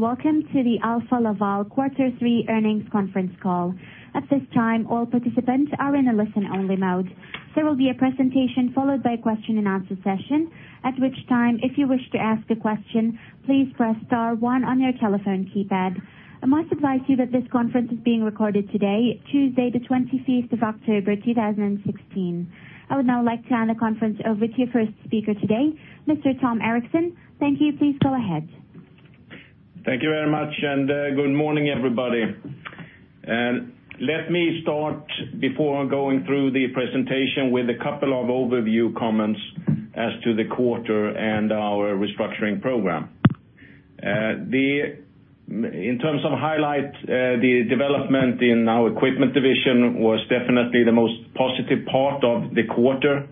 Welcome to the Alfa Laval quarter 3 earnings conference call. At this time, all participants are in a listen-only mode. There will be a presentation followed by a question-and-answer session, at which time, if you wish to ask a question, please press star one on your telephone keypad. I must advise you that this conference is being recorded today, Tuesday the 25th of October 2016. I would now like to hand the conference over to your first speaker today, Mr. Tom Erixon. Thank you. Please go ahead. Thank you very much. Good morning, everybody. Let me start before going through the presentation with a couple of overview comments as to the quarter and our restructuring program. In terms of highlights, the development in our Equipment Division was definitely the most positive part of the quarter.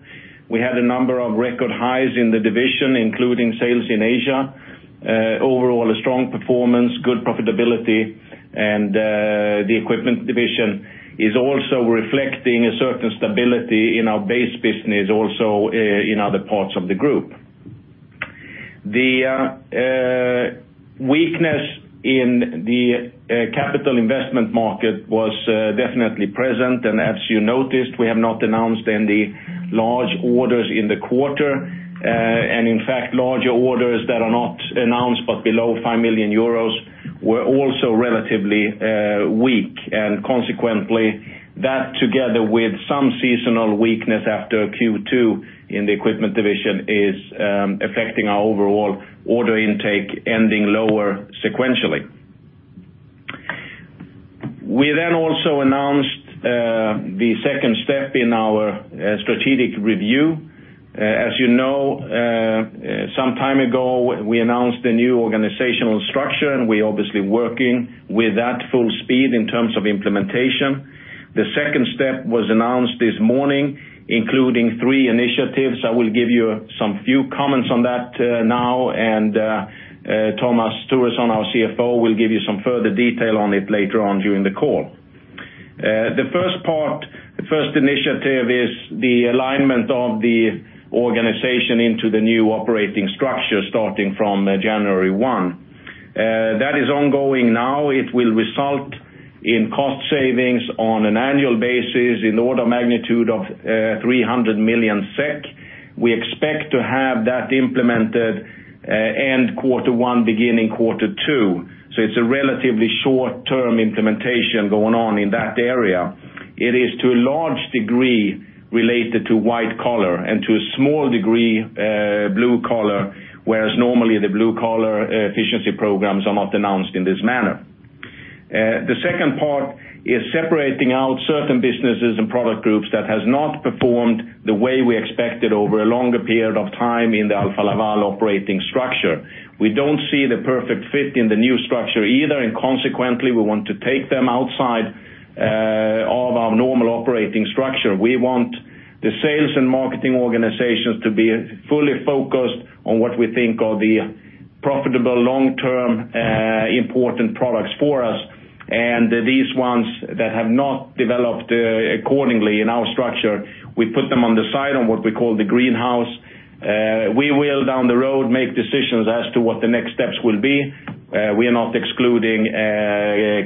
We had a number of record highs in the division, including sales in Asia. Overall, a strong performance, good profitability. The Equipment Division is also reflecting a certain stability in our base business, also in other parts of the group. The weakness in the capital investment market was definitely present. As you noticed, we have not announced any large orders in the quarter. In fact, larger orders that are not announced but below 5 million euros were also relatively weak. Consequently, that together with some seasonal weakness after Q2 in the Equipment Division is affecting our overall order intake ending lower sequentially. We also announced the second step in our strategic review. As you know, some time ago, we announced the new organizational structure. We're obviously working with that full speed in terms of implementation. The second step was announced this morning, including three initiatives. I will give you some few comments on that now. Thomas Thuresson, our CFO, will give you some further detail on it later on during the call. The first part, the first initiative is the alignment of the organization into the new operating structure starting from January 1. That is ongoing now. It will result in cost savings on an annual basis in order of magnitude of 300 million SEK. We expect to have that implemented end quarter 1, beginning quarter 2. It's a relatively short-term implementation going on in that area. It is to a large degree related to white collar and to a small degree blue collar, whereas normally the blue collar efficiency programs are not announced in this manner. The second part is separating out certain businesses and product groups that has not performed the way we expected over a longer period of time in the Alfa Laval operating structure. We don't see the perfect fit in the new structure either. Consequently, we want to take them outside of our normal operating structure. We want the sales and marketing organizations to be fully focused on what we think are the profitable long-term important products for us. These ones that have not developed accordingly in our structure, we put them on the side on what we call the Greenhouse. We will, down the road, make decisions as to what the next steps will be. We are not excluding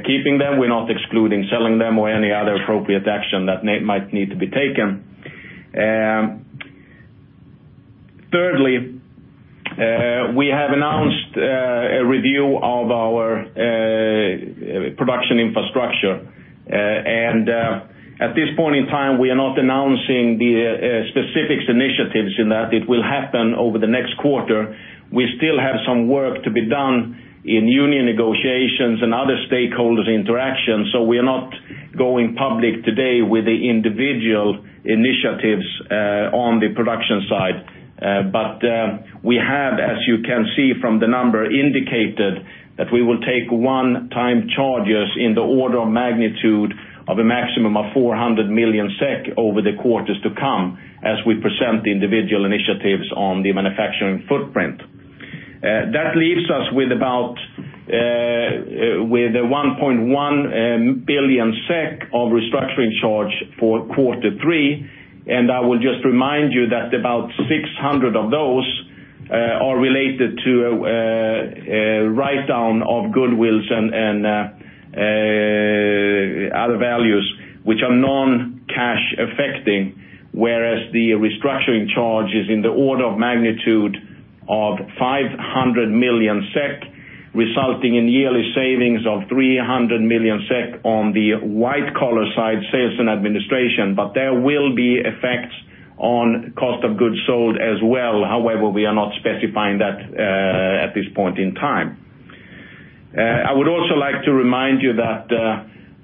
keeping them, we're not excluding selling them or any other appropriate action that might need to be taken. Thirdly, we have announced a review of our production infrastructure. At this point in time, we are not announcing the specifics initiatives in that it will happen over the next quarter. We still have some work to be done in union negotiations and other stakeholders interaction, we are not going public today with the individual initiatives on the production side. We have, as you can see from the number indicated, that we will take one-time charges in the order of magnitude of a maximum of 400 million SEK over the quarters to come as we present the individual initiatives on the manufacturing footprint. That leaves us with about 1.1 billion SEK of restructuring charge for quarter three, and I will just remind you that about 600 of those are related to a write-down of goodwills and other values, which are non-cash affecting, whereas the restructuring charge is in the order of magnitude of 500 million SEK, resulting in yearly savings of 300 million SEK on the white collar side, sales and administration. There will be effects on cost of goods sold as well. However, we are not specifying that at this point in time. I would also like to remind you that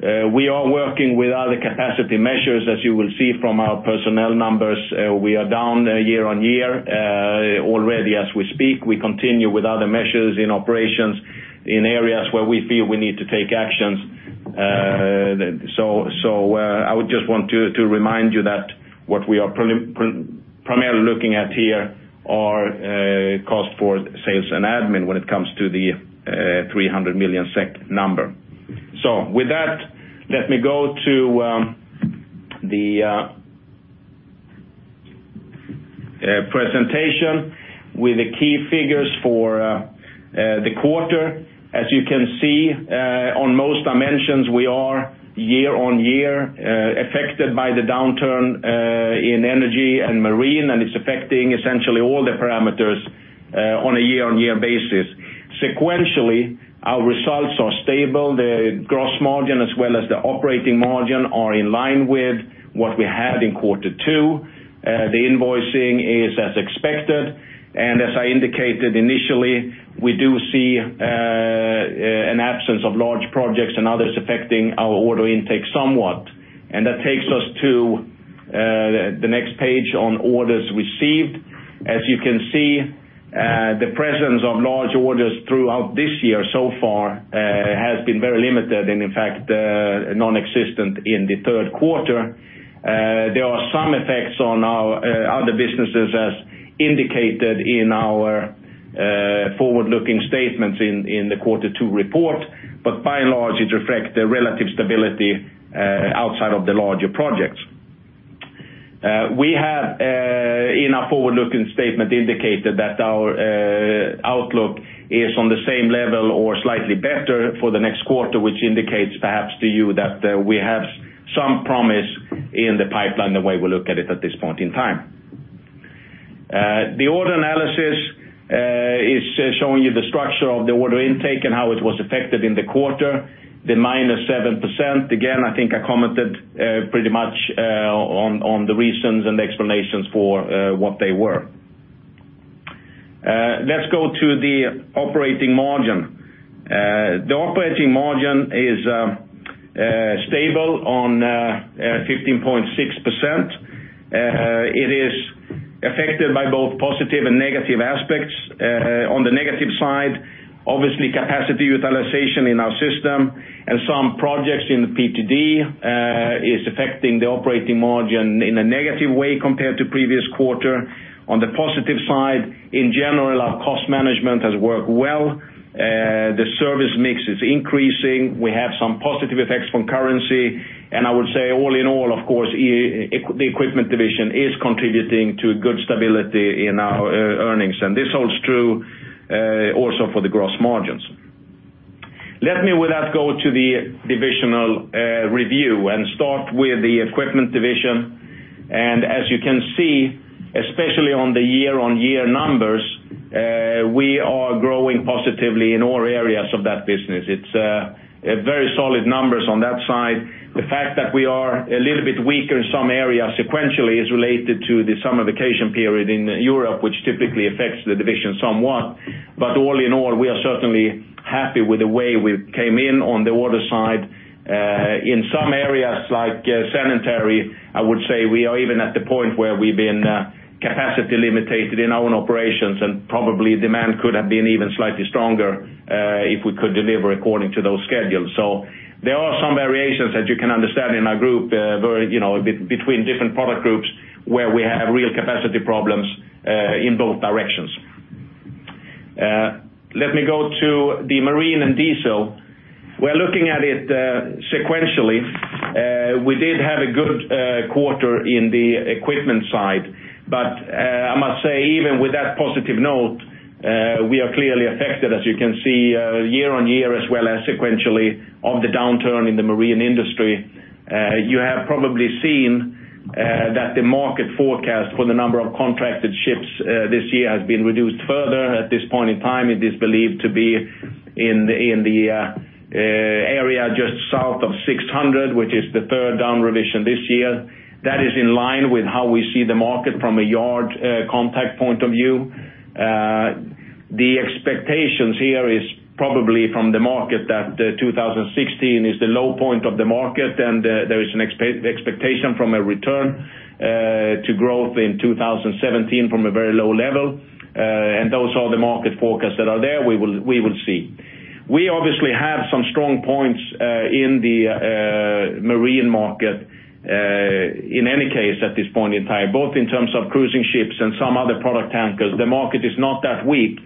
we are working with other capacity measures, as you will see from our personnel numbers. We are down year-on-year already as we speak. We continue with other measures in operations in areas where we feel we need to take actions. I would just want to remind you that what we are primarily looking at here are cost for sales and admin when it comes to the 300 million SEK number. With that, let me go to the Presentation with the key figures for the quarter. As you can see, on most dimensions, we are year-on-year affected by the downturn in energy and marine, it's affecting essentially all the parameters on a year-on-year basis. Sequentially, our results are stable. The gross margin as well as the operating margin are in line with what we had in quarter two. The invoicing is as expected, as I indicated initially, we do see an absence of large projects and others affecting our order intake somewhat. That takes us to the next page on orders received. As you can see, the presence of large orders throughout this year so far has been very limited, and in fact, nonexistent in the third quarter. There are some effects on our other businesses as indicated in our forward-looking statements in the quarter two report, by and large, it reflects the relative stability outside of the larger projects. We have, in our forward-looking statement, indicated that our outlook is on the same level or slightly better for the next quarter, which indicates perhaps to you that we have some promise in the pipeline, the way we look at it at this point in time. The order analysis is showing you the structure of the order intake and how it was affected in the quarter, the -7%. I think I commented pretty much on the reasons and explanations for what they were. Let's go to the operating margin. The operating margin is stable on 15.6%. It is affected by both positive and negative aspects. On the negative side, obviously capacity utilization in our system and some projects in the PTD is affecting the operating margin in a negative way compared to previous quarter. On the positive side, in general, our cost management has worked well. The service mix is increasing. We have some positive effects from currency. I would say all in all, of course, the Equipment Division is contributing to good stability in our earnings, and this holds true also for the gross margins. Let me with that go to the divisional review and start with the Equipment Division. As you can see, especially on the year-on-year numbers, we are growing positively in all areas of that business. It's very solid numbers on that side. The fact that we are a little bit weaker in some areas sequentially is related to the summer vacation period in Europe, which typically affects the division somewhat. All in all, we are certainly happy with the way we came in on the order side. In some areas, like sanitary, I would say we are even at the point where we've been capacity limited in our own operations, and probably demand could have been even slightly stronger, if we could deliver according to those schedules. There are some variations that you can understand in our group between different product groups where we have real capacity problems, in both directions. Let me go to the marine and diesel. We're looking at it sequentially. We did have a good quarter in the Equipment side, I must say, even with that positive note, we are clearly affected, as you can see, year-on-year as well as sequentially on the downturn in the marine industry. You have probably seen that the market forecast for the number of contracted ships this year has been reduced further. At this point in time, it is believed to be in the area just south of 600, which is the third down revision this year. That is in line with how we see the market from a yard contact point of view. The expectations here is probably from the market that 2016 is the low point of the market, there is an expectation from a return to growth in 2017 from a very low level. Those are the market forecasts that are there. We will see. We obviously have some strong points in the marine market, in any case at this point in time, both in terms of cruising ships and some other product tankers. The market is not that weak,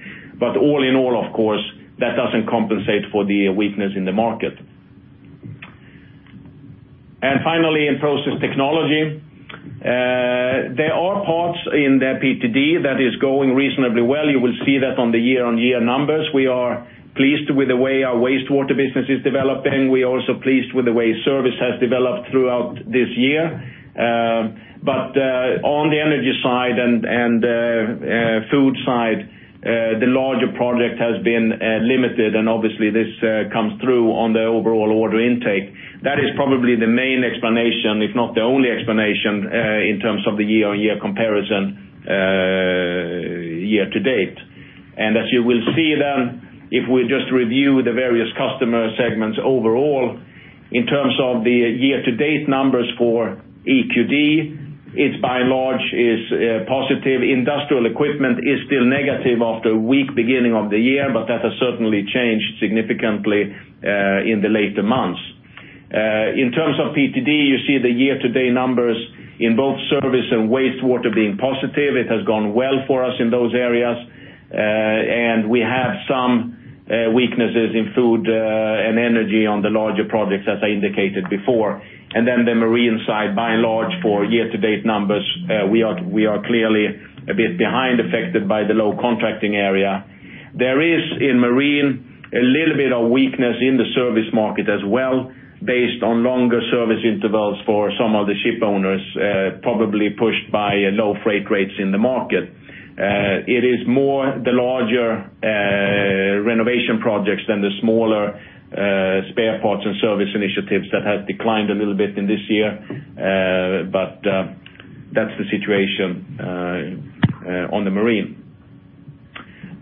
all in all, of course, that doesn't compensate for the weakness in the market. Finally, in process technology, there are parts in the PTD that is going reasonably well. You will see that on the year-on-year numbers. We are pleased with the way our wastewater business is developing. We are also pleased with the way service has developed throughout this year. On the energy side and food side, the larger project has been limited, obviously, this comes through on the overall order intake. That is probably the main explanation, if not the only explanation, in terms of the year-on-year comparison year to date. As you will see then, if we just review the various customer segments overall, in terms of the year-to-date numbers for EQD, it is by and large positive. Industrial equipment is still negative after a weak beginning of the year, but that has certainly changed significantly in the later months. In terms of PTD, you see the year-to-date numbers in both service and wastewater being positive. It has gone well for us in those areas. Weaknesses in food and energy on the larger projects, as I indicated before. The marine side, by and large, for year-to-date numbers, we are clearly a bit behind, affected by the low contracting area. There is, in marine, a little bit of weakness in the service market as well, based on longer service intervals for some of the ship owners, probably pushed by low freight rates in the market. It is more the larger renovation projects than the smaller spare parts and service initiatives that have declined a little bit in this year. That is the situation on the marine.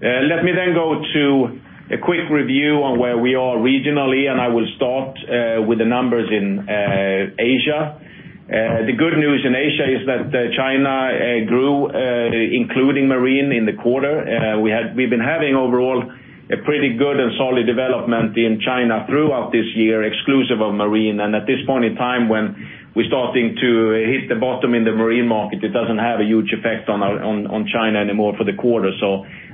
Let me then go to a quick review on where we are regionally, I will start with the numbers in Asia. The good news in Asia is that China grew, including marine, in the quarter. We have been having overall a pretty good and solid development in China throughout this year, exclusive of marine. At this point in time, when we're starting to hit the bottom in the marine market, it doesn't have a huge effect on China anymore for the quarter.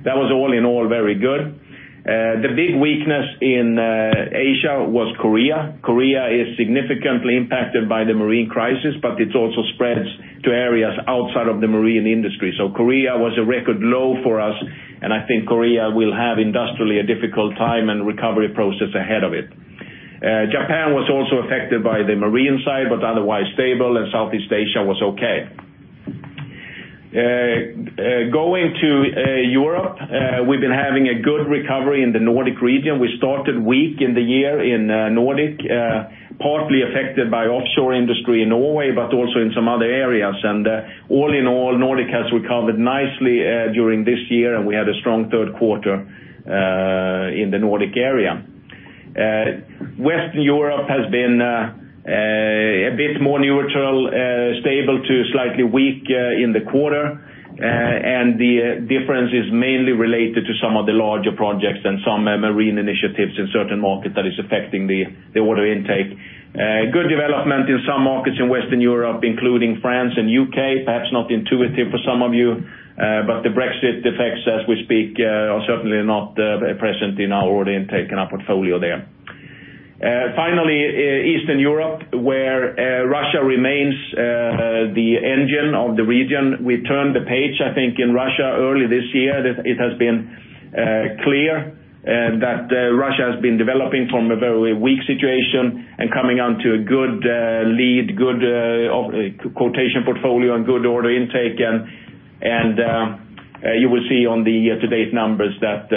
That was all in all, very good. The big weakness in Asia was Korea. Korea is significantly impacted by the marine crisis, it also spreads to areas outside of the marine industry. Korea was a record low for us, I think Korea will have industrially a difficult time and recovery process ahead of it. Japan was also affected by the marine side, otherwise stable, Southeast Asia was okay. Going to Europe, we've been having a good recovery in the Nordic region. We started weak in the year in Nordic, partly affected by offshore industry in Norway, also in some other areas. All in all, Nordic has recovered nicely during this year, we had a strong third quarter in the Nordic area. Western Europe has been a bit more neutral, stable to slightly weak in the quarter. The difference is mainly related to some of the larger projects and some marine initiatives in certain markets that is affecting the order intake. Good development in some markets in Western Europe, including France and U.K. Perhaps not intuitive for some of you, the Brexit effects as we speak are certainly not present in our order intake and our portfolio there. Finally, Eastern Europe, where Russia remains the engine of the region. We turned the page, I think, in Russia early this year. It has been clear that Russia has been developing from a very weak situation, coming on to a good lead, good quotation portfolio, and good order intake. You will see on the year-to-date numbers that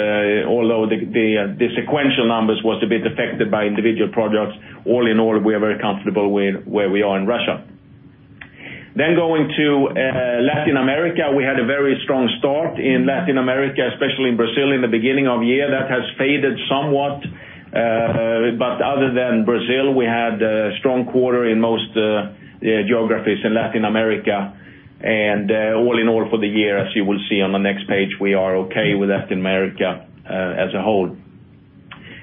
although the sequential numbers were a bit affected by individual projects, all in all, we are very comfortable with where we are in Russia. Going to Latin America, we had a very strong start in Latin America, especially in Brazil in the beginning of the year. That has faded somewhat. Other than Brazil, we had a strong quarter in most geographies in Latin America. All in all for the year, as you will see on the next page, we are okay with Latin America as a whole.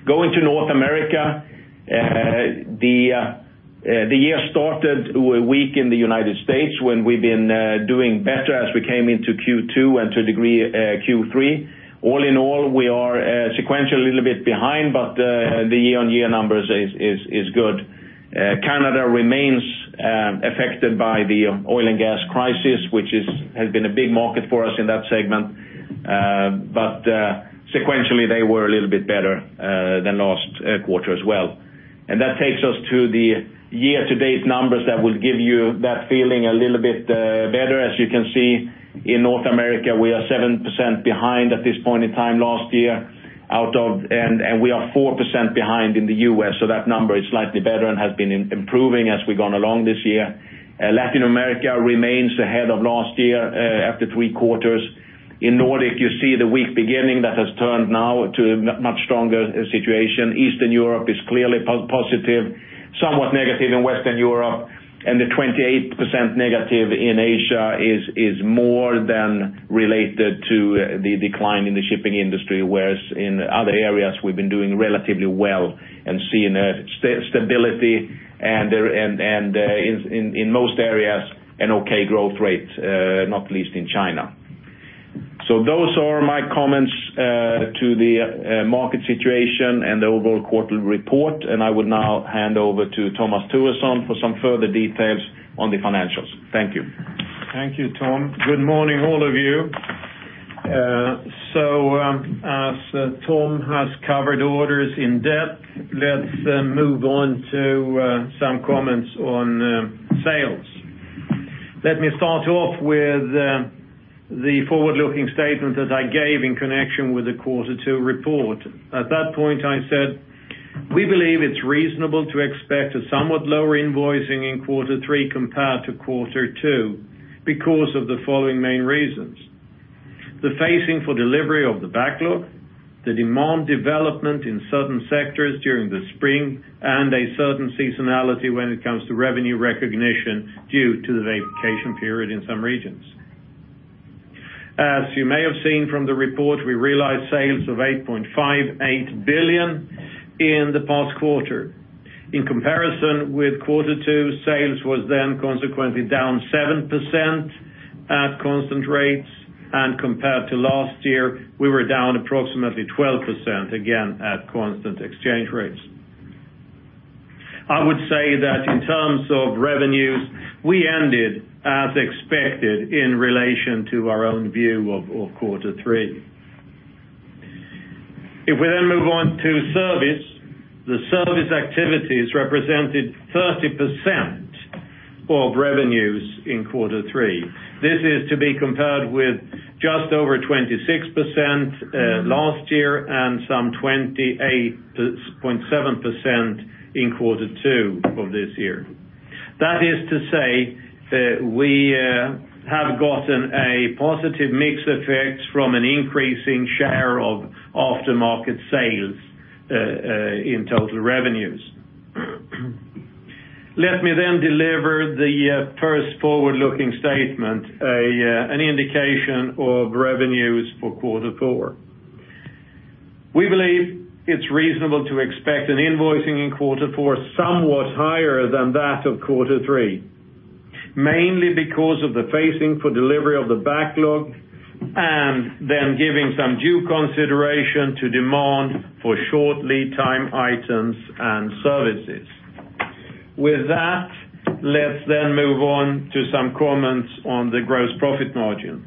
Going to North America, the year started weak in the U.S., when we've been doing better as we came into Q2 and to a degree, Q3. All in all, we are sequentially a little bit behind, but the year-on-year numbers are good. Canada remains affected by the oil and gas crisis, which has been a big market for us in that segment. Sequentially, they were a little bit better than last quarter as well. That takes us to the year-to-date numbers that will give you that feeling a little bit better. As you can see, in North America, we are 7% behind at this point in time last year, and we are 4% behind in the U.S., so that number is slightly better and has been improving as we've gone along this year. Latin America remains ahead of last year after three quarters. In Nordic, you see the weak beginning that has turned now to a much stronger situation. Eastern Europe is clearly positive, somewhat negative in Western Europe. The 28% negative in Asia is more than related to the decline in the shipping industry, whereas in other areas, we've been doing relatively well and seeing a stability, and in most areas, an okay growth rate, not least in China. Those are my comments to the market situation and the overall quarterly report, and I would now hand over to Thomas Thuresson for some further details on the financials. Thank you. Thank you, Tom. Good morning, all of you. As Tom has covered orders in depth, let's move on to some comments on sales. Let me start off with the forward-looking statement that I gave in connection with the quarter two report. At that point, I said, we believe it's reasonable to expect a somewhat lower invoicing in quarter three compared to quarter two because of the following main reasons. The phasing for delivery of the backlog, the demand development in certain sectors during the spring, and a certain seasonality when it comes to revenue recognition due to the vacation period in some regions. As you may have seen from the report, we realized sales of 8.58 billion in the past quarter. In comparison with Q2, sales were then consequently down 7% at constant rates, and compared to last year, we were down approximately 12%, again, at constant exchange rates. I would say that in terms of revenues, we ended as expected in relation to our own view of Q3. If we move on to service, the service activities represented 30% of revenues in Q3. This is to be compared with just over 26% last year and some 28.7% in Q2 of this year. That is to say, we have gotten a positive mix effect from an increasing share of aftermarket sales in total revenues. Let me deliver the first forward-looking statement, an indication of revenues for Q4. We believe it's reasonable to expect an invoicing in Q4 somewhat higher than that of Q3, mainly because of the phasing for delivery of the backlog, and then giving some due consideration to demand for short lead time items and services. With that, let's move on to some comments on the gross profit margin.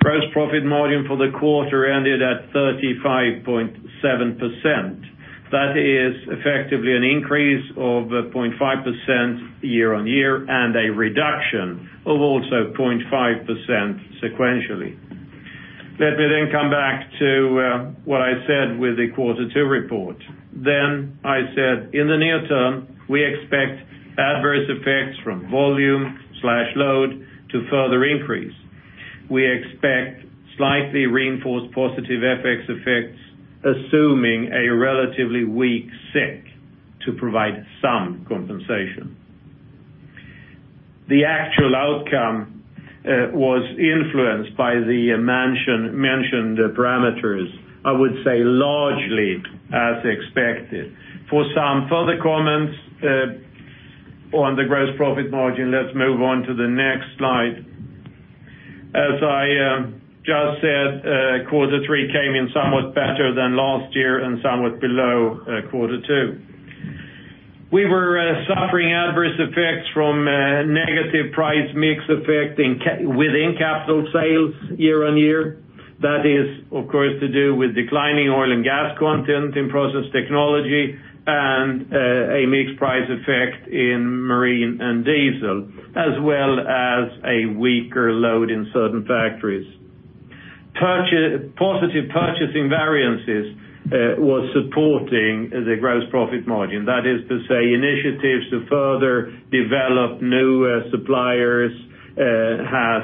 Gross profit margin for the quarter ended at 35.7%. That is effectively an increase of 0.5% year-on-year and a reduction of also 0.5% sequentially. Let me come back to what I said with the Q2 report. I said, in the near term, we expect adverse effects from volume/load to further increase. We expect slightly reinforced positive FX effects, assuming a relatively weak SEK to provide some compensation. The actual outcome was influenced by the mentioned parameters, I would say largely as expected. For some further comments on the gross profit margin, let's move on to the next slide. As I just said, Q3 came in somewhat better than last year and somewhat below Q2. We were suffering adverse effects from negative price mix effect within capital sales year-on-year. That is, of course, to do with declining oil and gas content in process technology and a mixed price effect in marine and diesel, as well as a weaker load in certain factories. Positive purchasing variances was supporting the gross profit margin. That is to say, initiatives to further develop new suppliers has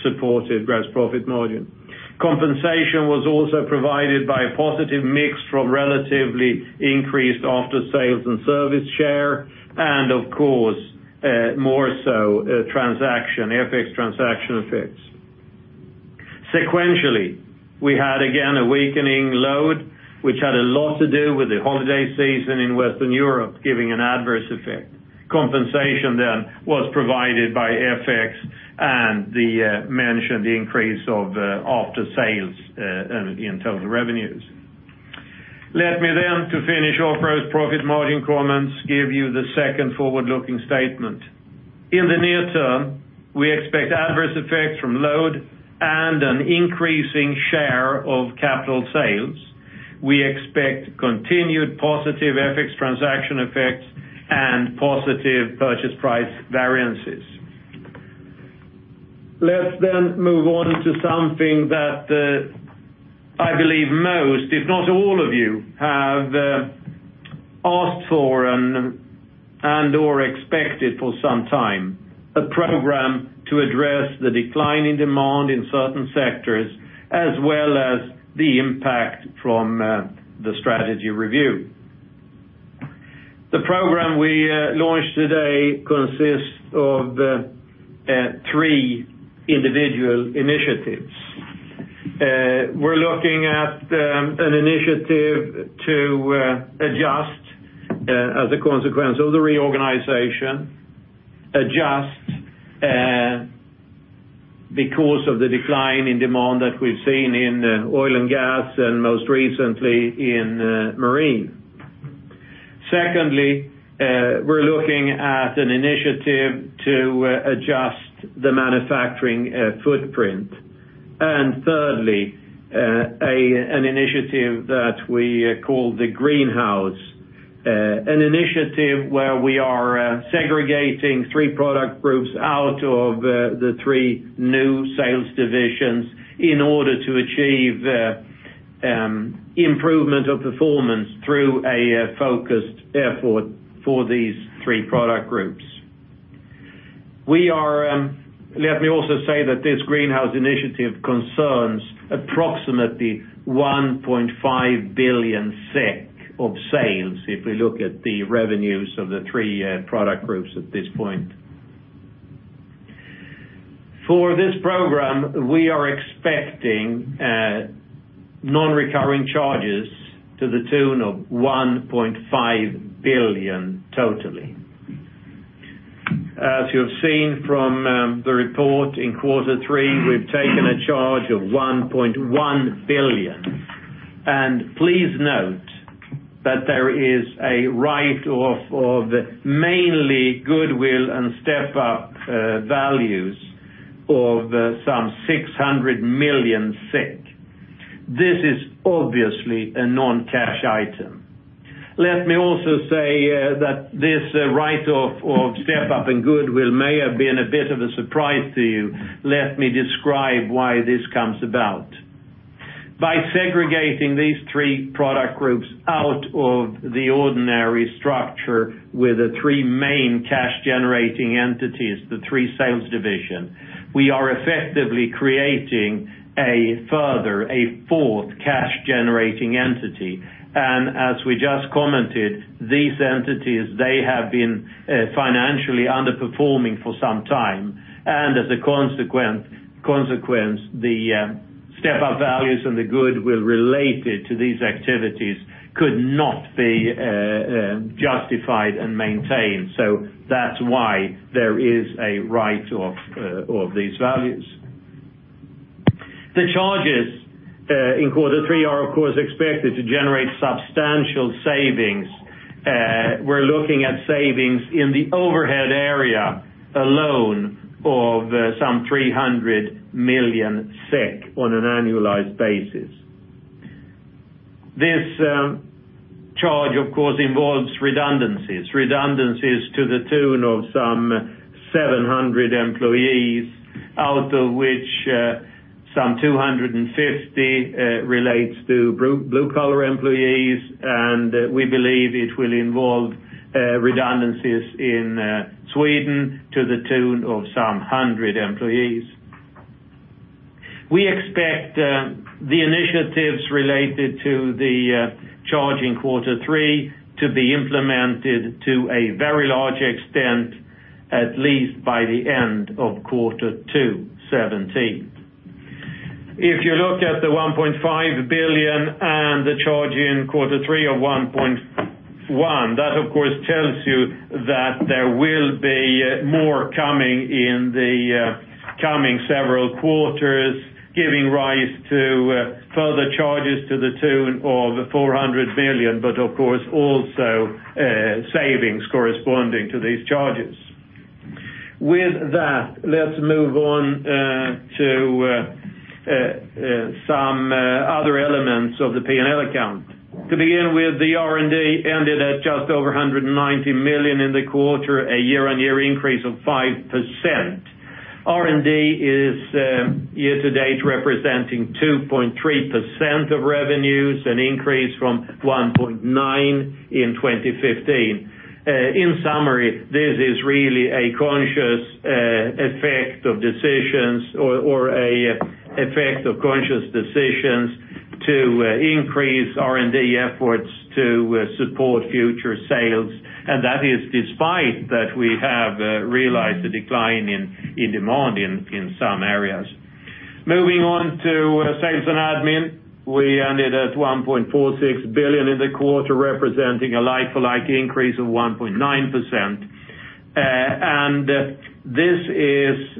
supported gross profit margin. Compensation was also provided by a positive mix from relatively increased after-sales and service share and, of course, more so transaction, FX transaction effects. Sequentially, we had again a weakening load, which had a lot to do with the holiday season in Western Europe giving an adverse effect. Compensation was provided by FX and the mentioned increase of after-sales in total revenues. Let me, to finish off gross profit margin comments, give you the second forward-looking statement. In the near term, we expect adverse effects from load and an increasing share of capital sales. We expect continued positive FX transaction effects and positive purchase price variances. Let's move on to something that I believe most, if not all of you, have asked for and/or expected for some time, a program to address the decline in demand in certain sectors, as well as the impact from the strategy review. The program we launched today consists of three individual initiatives. We're looking at an initiative to adjust as a consequence of the reorganization, adjust because of the decline in demand that we've seen in oil and gas and most recently in marine. Secondly, we're looking at an initiative to adjust the manufacturing footprint. Thirdly, an initiative that we call the Greenhouse. An initiative where we are segregating three product groups out of the three new sales divisions in order to achieve improvement of performance through a focused effort for these three product groups. Let me also say that this Greenhouse Initiative concerns approximately 1.5 billion SEK of sales if we look at the revenues of the three product groups at this point. For this program, we are expecting non-recurring charges to the tune of 1.5 billion totally. As you have seen from the report in quarter three, we've taken a charge of 1.1 billion. Please note that there is a write-off of mainly goodwill and step-up values of some 600 million. This is obviously a non-cash item. Let me also say that this write-off of step-up and goodwill may have been a bit of a surprise to you. Let me describe why this comes about. By segregating these three product groups out of the ordinary structure with the three main cash-generating entities, the three sales division, we are effectively creating a further, a fourth cash-generating entity. As we just commented, these entities, they have been financially underperforming for some time, and as a consequence, the step-up values and the goodwill related to these activities could not be justified and maintained. That's why there is a write-off of these values. The charges in quarter three are, of course, expected to generate substantial savings. We're looking at savings in the overhead area alone of some 300 million SEK on an annualized basis. This charge, of course, involves redundancies. Redundancies to the tune of some 700 employees, out of which some 250 relates to blue-collar employees, and we believe it will involve redundancies in Sweden to the tune of some 100 employees. We expect the initiatives related to the charge in quarter three to be implemented to a very large extent, at least by the end of quarter two 2017. If you look at the 1.5 billion and the charge in quarter three of 1.1 billion, that of course tells you that there will be more coming in the coming several quarters, giving rise to further charges to the tune of 400 million, but of course also savings corresponding to these charges. With that, let's move on to some other elements of the P&L account. To begin with, the R&D ended at just over 190 million in the quarter, a year-on-year increase of 5%. R&D is year-to-date representing 2.3% of revenues, an increase from 1.9% in 2015. In summary, this is really a conscious effect of decisions or a effect of conscious decisions to increase R&D efforts to support future sales, and that is despite that we have realized a decline in demand in some areas. Moving on to sales and admin, we ended at 1.46 billion in the quarter, representing a like-for-like increase of 1.9%. This is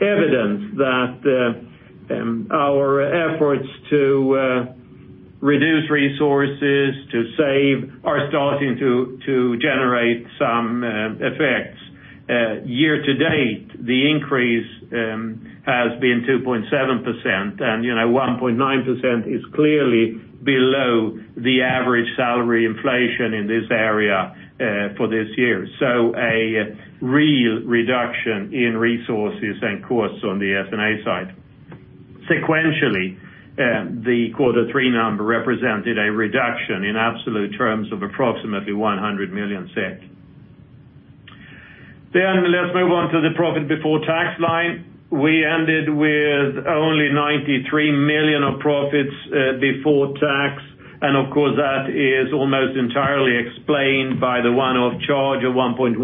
evidence that our efforts to reduce resources, to save, are starting to generate some effects. Year-to-date, the increase has been 2.7%, and 1.9% is clearly below the average salary inflation in this area for this year. A real reduction in resources and costs on the S&A side. Sequentially, the quarter three number represented a reduction in absolute terms of approximately 100 million SEK. Let's move on to the profit before tax line. We ended with only 93 million of profits before tax, of course, that is almost entirely explained by the one-off charge of 1.1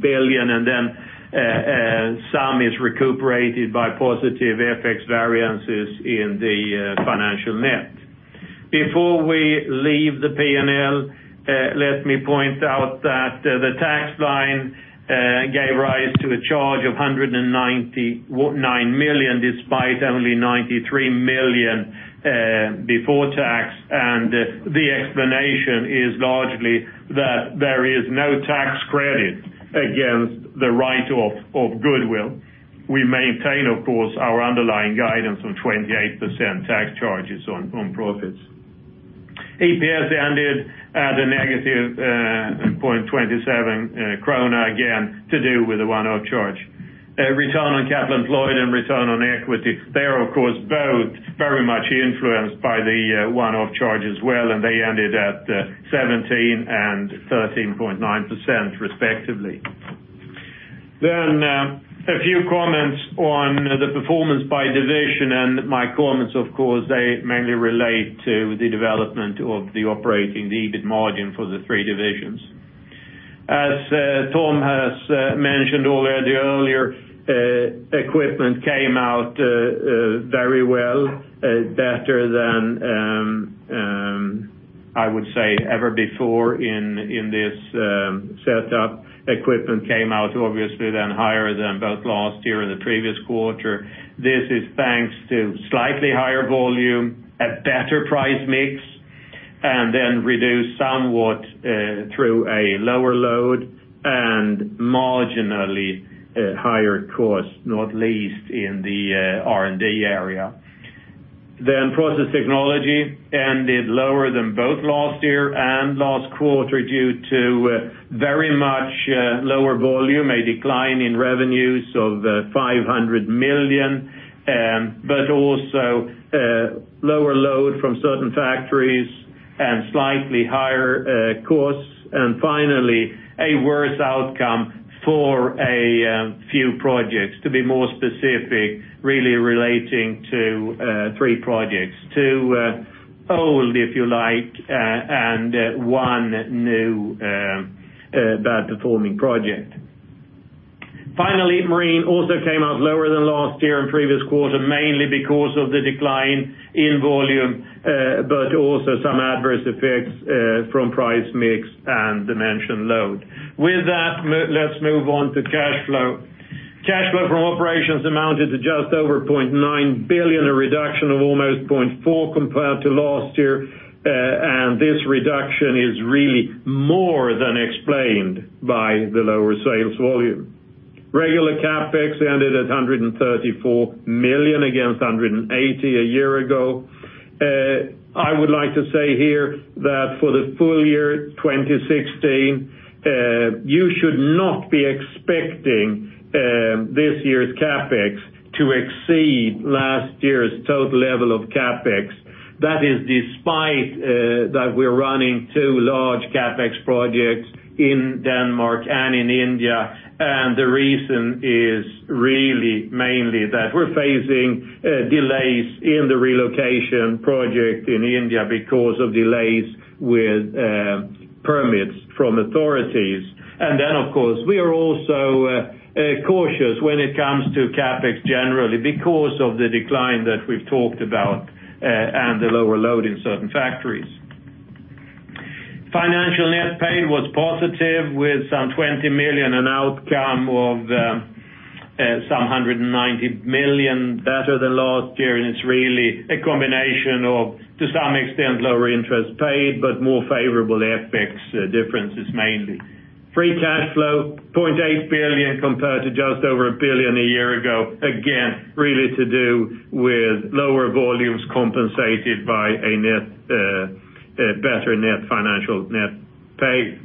billion, then some is recuperated by positive FX variances in the financial net. Before we leave the P&L, let me point out that the tax line gave rise to a charge of 199 million, despite only 93 million before tax, the explanation is largely that there is no tax credit against the write-off of goodwill. We maintain, of course, our underlying guidance of 28% tax charges on profits. EPS ended at a negative 0.27 krona, again, to do with the one-off charge. Return on capital employed and return on equity, they are of course both very much influenced by the one-off charge as well, they ended at 17% and 13.9% respectively. A few comments on the performance by division, my comments, of course, they mainly relate to the development of the operating, the EBIT margin for the three divisions. As Tom has mentioned already earlier, equipment came out very well, better than, I would say, ever before in this setup. Equipment came out, obviously, higher than both last year and the previous quarter. This is thanks to slightly higher volume, a better price mix, reduced somewhat through a lower load and marginally higher cost, not least in the R&D area. Process Technology ended lower than both last year and last quarter due to very much lower volume, a decline in revenues of 500 million, but also lower load from certain factories and slightly higher costs. Finally, a worse outcome for a few projects. To be more specific, really relating to three projects. Two old, if you like, one new bad-performing project. Marine also came out lower than last year and previous quarter, mainly because of the decline in volume, also some adverse effects from price mix and dimension load. With that, let's move on to cash flow. Cash flow from operations amounted to just over 0.9 billion, a reduction of almost 0.4 billion compared to last year, this reduction is really more than explained by the lower sales volume. Regular CapEx ended at 134 million against 180 million a year ago. I would like to say here that for the full year 2016, you should not be expecting this year's CapEx to exceed last year's total level of CapEx. That is despite that we're running two large CapEx projects in Denmark and in India, the reason is really mainly that we're facing delays in the relocation project in India because of delays with permits from authorities. Of course, we are also cautious when it comes to CapEx generally because of the decline that we've talked about and the lower load in certain factories. Financial net pay was positive with some 20 million, an outcome of some 190 million better than last year, it's really a combination of, to some extent, lower interest paid, more favorable FX differences mainly. Free cash flow, 0.8 billion compared to just over 1 billion a year ago, really to do with lower volumes compensated by a better net financial net pay.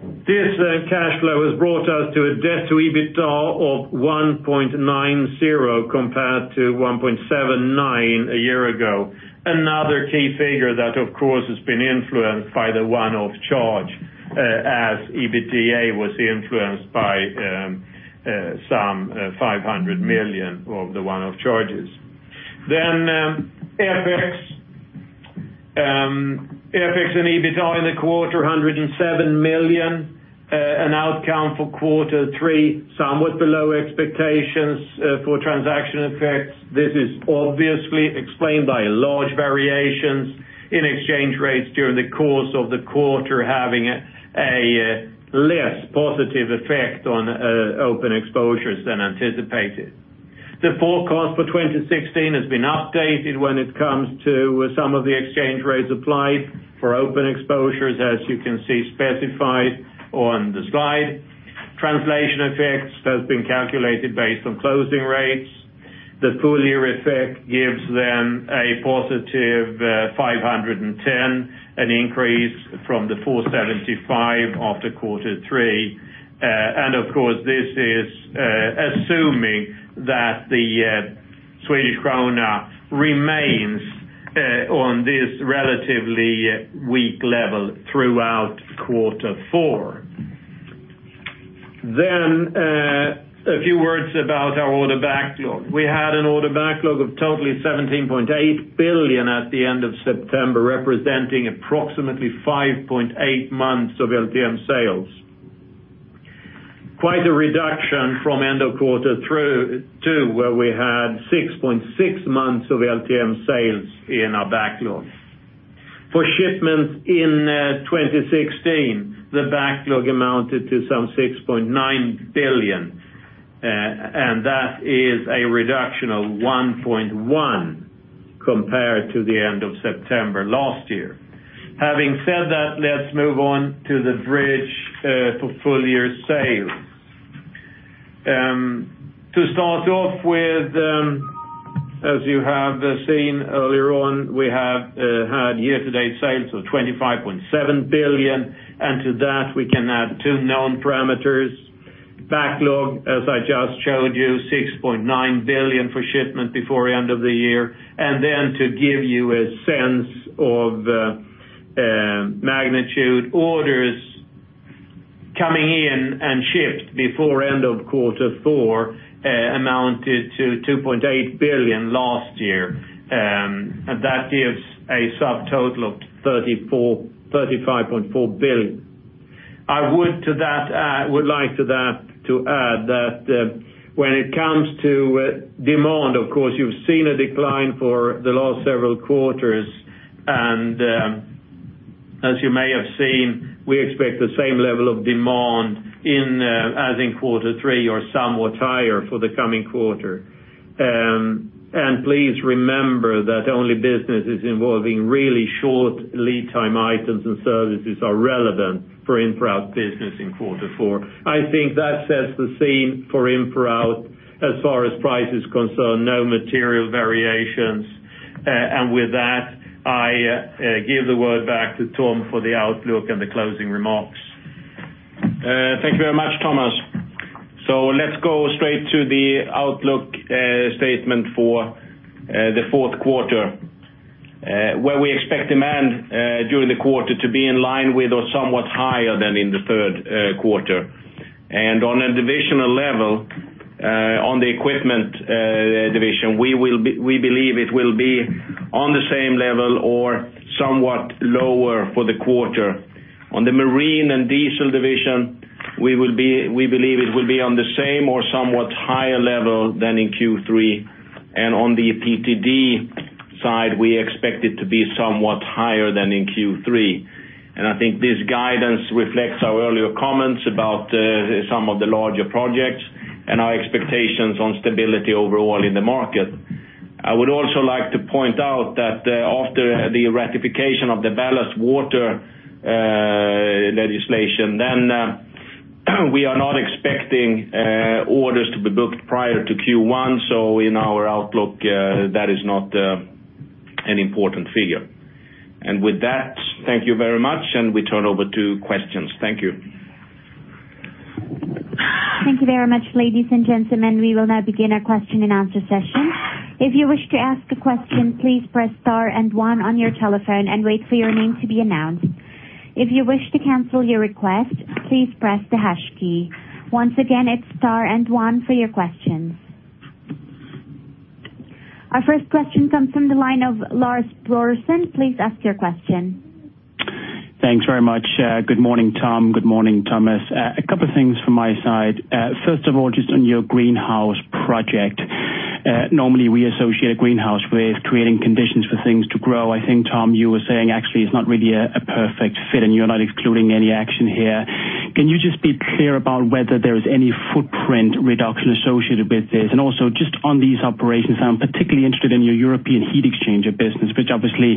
This cash flow has brought us to a debt to EBITDA of 1.90 compared to 1.79 a year ago. Another key figure that, of course, has been influenced by the one-off charge, as EBITDA was influenced by some 500 million of the one-off charges. FX and EBITDA in the quarter, 107 million, an outcome for quarter three, somewhat below expectations for transaction effects. This is obviously explained by large variations in exchange rates during the course of the quarter, having a less positive effect on open exposures than anticipated. The forecast for 2016 has been updated when it comes to some of the exchange rates applied for open exposures, as you can see specified on the slide. Translation effects has been calculated based on closing rates. The full year effect gives them a positive 510, an increase from 475 after quarter three. Of course, this is assuming that the Swedish krona remains on this relatively weak level throughout quarter four. A few words about our order backlog. We had an order backlog of totally 17.8 billion at the end of September, representing approximately 5.8 months of LTM sales. Quite a reduction from end of quarter two, where we had 6.6 months of LTM sales in our backlog. For shipments in 2016, the backlog amounted to some 6.9 billion, and that is a reduction of 1.1 compared to the end of September last year. Having said that, let's move on to the bridge for full-year sales. To start off with, as you have seen earlier on, we have had year-to-date sales of 25.7 billion, and to that, we can add two known parameters. Backlog, as I just showed you, 6.9 billion for shipment before end of the year. To give you a sense of magnitude, orders coming in and shipped before end of quarter four amounted to 2.8 billion last year. That gives a subtotal of 35.4 billion. I would like to add that when it comes to demand, of course, you've seen a decline for the last several quarters, and as you may have seen, we expect the same level of demand as in quarter three or somewhat higher for the coming quarter. Please remember that only businesses involving really short lead time items and services are relevant for InProOut business in quarter four. I think that sets the scene for InProOut as far as price is concerned, no material variations. With that, I give the word back to Tom for the outlook and the closing remarks. Thank you very much, Thomas. Let's go straight to the outlook statement for the fourth quarter, where we expect demand during the quarter to be in line with or somewhat higher than in the third quarter. On a divisional level, on the Equipment Division, we believe it will be on the same level or somewhat lower for the quarter. On the Marine and Diesel Division, we believe it will be on the same or somewhat higher level than in Q3. On the PTD side, we expect it to be somewhat higher than in Q3. I think this guidance reflects our earlier comments about some of the larger projects and our expectations on stability overall in the market. I would also like to point out that after the ratification of the ballast water legislation, we are not expecting orders to be booked prior to Q1. In our outlook, that is not an important figure. With that, thank you very much, and we turn over to questions. Thank you. Thank you very much, ladies and gentlemen. We will now begin our question and answer session. If you wish to ask a question, please press star and one on your telephone and wait for your name to be announced. If you wish to cancel your request, please press the hash key. Once again, it's star and one for your questions. Our first question comes from the line of Lars Brorson. Please ask your question. Thanks very much. Good morning, Tom. Good morning, Thomas. A couple of things from my side. First of all, just on your Greenhouse project. Normally we associate a greenhouse with creating conditions for things to grow. I think, Tom, you were saying actually it's not really a perfect fit and you're not excluding any action here. Can you just be clear about whether there is any footprint reduction associated with this? Also just on these operations, I'm particularly interested in your European heat exchanger business, which obviously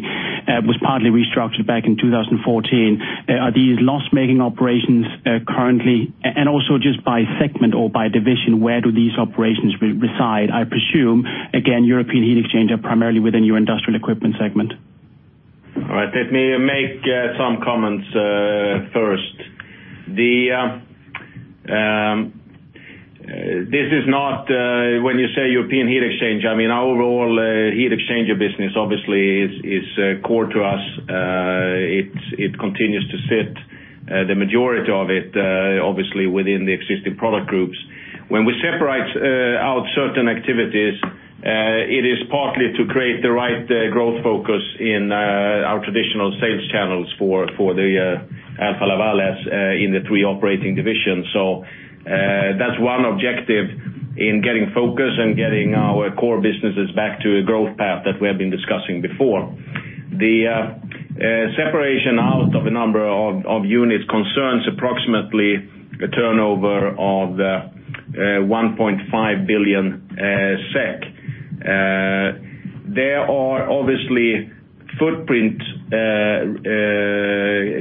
was partly restructured back in 2014. Are these loss-making operations currently, and also just by segment or by division, where do these operations reside? I presume, again, European heat exchanger primarily within your industrial equipment segment. All right. Let me make some comments first. This is not, when you say European heat exchange, our overall heat exchanger business obviously is core to us. It continues to sit the majority of it, obviously within the existing product groups. When we separate out certain activities, it is partly to create the right growth focus in our traditional sales channels for the Alfa Lavals in the three operating divisions. That's one objective in getting focus and getting our core businesses back to a growth path that we have been discussing before. The separation out of a number of units concerns approximately a turnover of 1.5 billion SEK. There are obviously footprint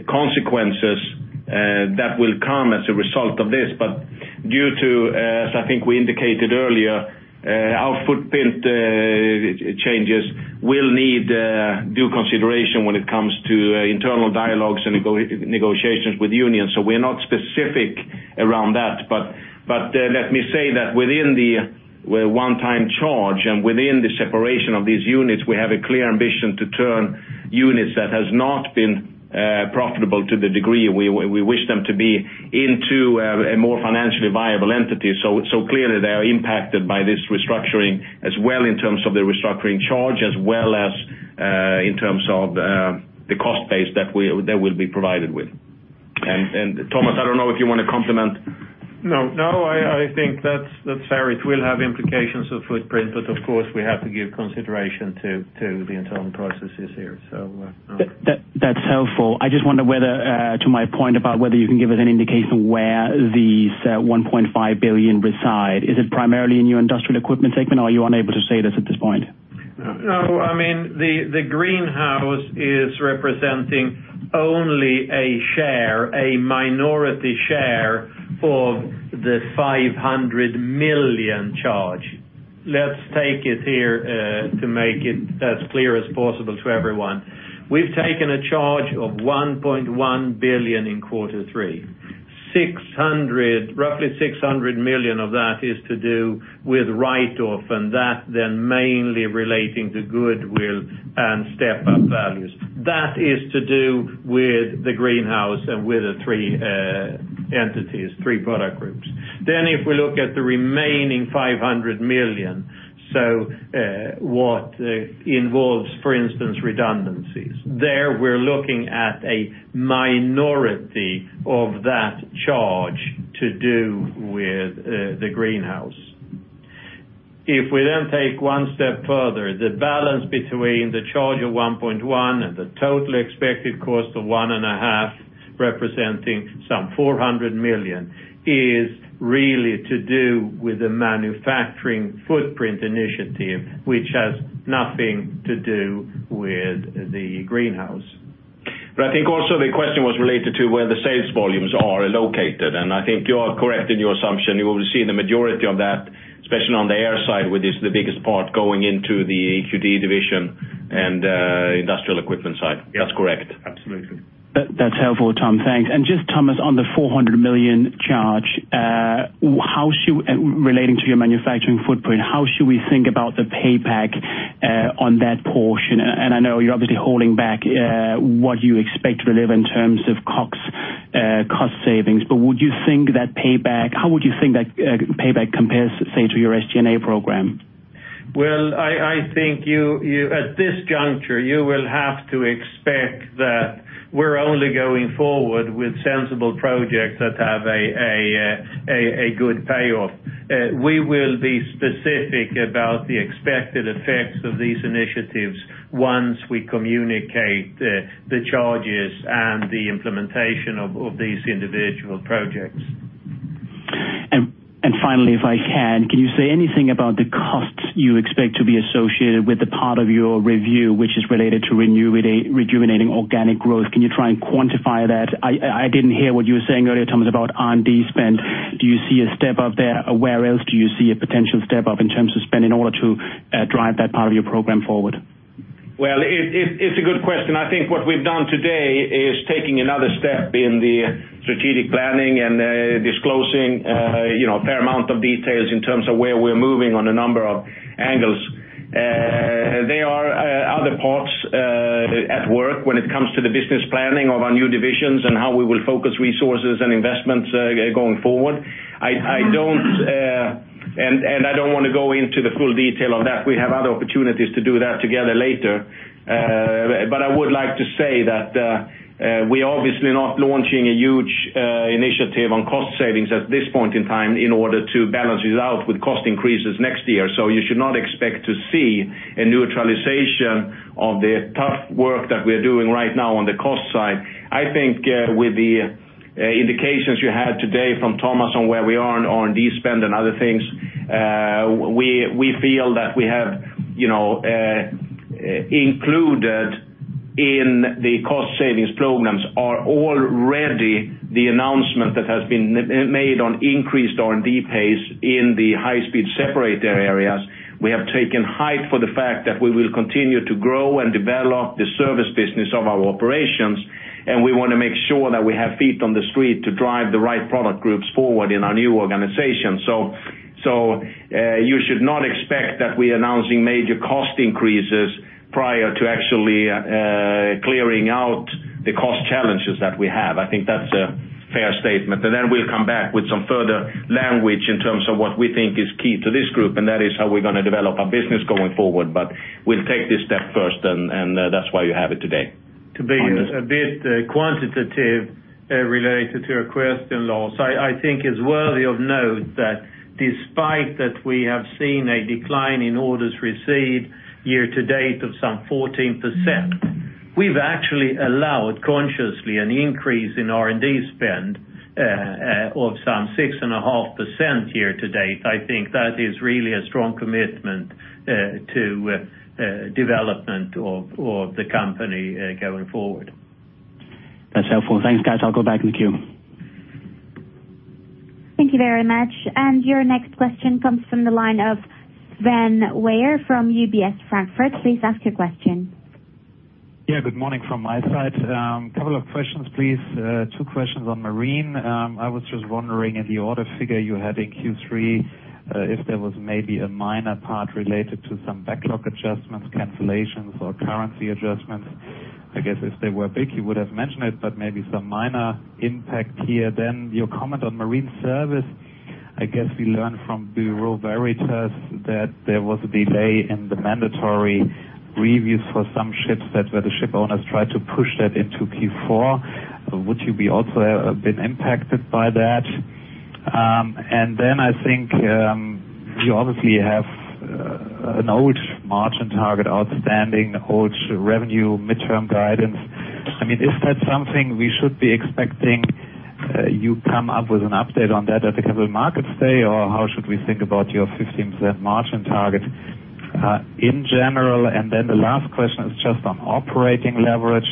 consequences that will come as a result of this, but due to, as I think we indicated earlier, our footprint changes will need due consideration when it comes to internal dialogues and negotiations with unions. We're not specific around that, but let me say that within the one-time charge and within the separation of these units, we have a clear ambition to turn units that has not been profitable to the degree we wish them to be into a more financially viable entity. Clearly they are impacted by this restructuring as well in terms of the restructuring charge, as well as in terms of the cost base that we'll be provided with. Thomas, I don't know if you want to complement. No. I think that's fair. It will have implications of footprint, of course, we have to give consideration to the internal processes here. That's helpful. I just wonder whether, to my point about whether you can give us an indication where these 1.5 billion reside. Is it primarily in your industrial equipment segment, or are you unable to say this at this point? No. The Greenhouse is representing only a share, a minority share of the 500 million charge. Let's take it here to make it as clear as possible to everyone. We've taken a charge of 1.1 billion in quarter three. Roughly 600 million of that is to do with write-off, that mainly relating to goodwill and step-up values. That is to do with the Greenhouse and with the three entities, three product groups. If we look at the remaining 500 million, what involves, for instance, redundancies. There, we're looking at a minority of that charge to do with the Greenhouse. We take one step further, the balance between the charge of 1.1 billion and the total expected cost of 1.5 billion, representing some 400 million, is really to do with the manufacturing footprint initiative, which has nothing to do with the Greenhouse. I think also the question was related to where the sales volumes are located, and I think you are correct in your assumption. You will see the majority of that, especially on the air side, which is the biggest part going into the EQD Division and industrial equipment side. That's correct. Absolutely. That's helpful, Tom. Thanks. Just, Thomas, on the 400 million charge relating to your manufacturing footprint, how should we think about the payback on that portion? I know you're obviously holding back what you expect to deliver in terms of cost savings, how would you think that payback compares, say, to your SG&A program? Well, I think at this juncture, you will have to expect that we're only going forward with sensible projects that have a good payoff. We will be specific about the expected effects of these initiatives once we communicate the charges and the implementation of these individual projects. Finally, if I can you say anything about the costs you expect to be associated with the part of your review which is related to rejuvenating organic growth? Can you try and quantify that? I didn't hear what you were saying earlier, Thomas, about R&D spend. Do you see a step up there? Where else do you see a potential step up in terms of spend in order to drive that part of your program forward? Well, it's a good question. I think what we've done today is taking another step in the strategic planning and disclosing a fair amount of details in terms of where we're moving on a number of angles. There are other parts at work when it comes to the business planning of our new divisions and how we will focus resources and investments going forward. I don't want to go into the full detail of that. We have other opportunities to do that together later. I would like to say that we're obviously not launching a huge initiative on cost savings at this point in time in order to balance it out with cost increases next year. You should not expect to see a neutralization of the tough work that we're doing right now on the cost side. I think with the indications you had today from Thomas on where we are on R&D spend and other things, we feel that we have included in the cost savings programs are already the announcement that has been made on increased R&D pace in the high-speed separator areas. We have taken height for the fact that we will continue to grow and develop the service business of our operations, and we want to make sure that we have feet on the street to drive the right product groups forward in our new organization. You should not expect that we're announcing major cost increases prior to actually clearing out the cost challenges that we have. I think that's a fair statement. We'll come back with some further language in terms of what we think is key to this group, and that is how we're going to develop our business going forward. We'll take this step first, and that's why you have it today. To be a bit quantitative related to your question, Lars, I think it's worthy of note that despite that we have seen a decline in orders received year to date of some 14%, we've actually allowed consciously an increase in R&D spend of some 6.5% year to date. I think that is really a strong commitment to development of the company going forward. That's helpful. Thanks, guys. I'll go back in the queue. Thank you very much. Your next question comes from the line of Sven Weier from UBS Frankfurt. Please ask your question. Yeah, good morning from my side. A couple of questions, please. Two questions on Marine. I was just wondering in the order figure you had in Q3, if there was maybe a minor part related to some backlog adjustments, cancellations, or currency adjustments. I guess if they were big, you would have mentioned it, but maybe some minor impact here. Then your comment on Marine service, I guess we learned from Bureau Veritas that there was a delay in the mandatory reviews for some ships that where the ship owners tried to push that into Q4. Would you be also been impacted by that? Then I think you obviously have an old margin target outstanding, old revenue midterm guidance. Is that something we should be expecting you come up with an update on that at the Capital Markets Day, or how should we think about your 15% margin target in general? Then the last question is just on operating leverage.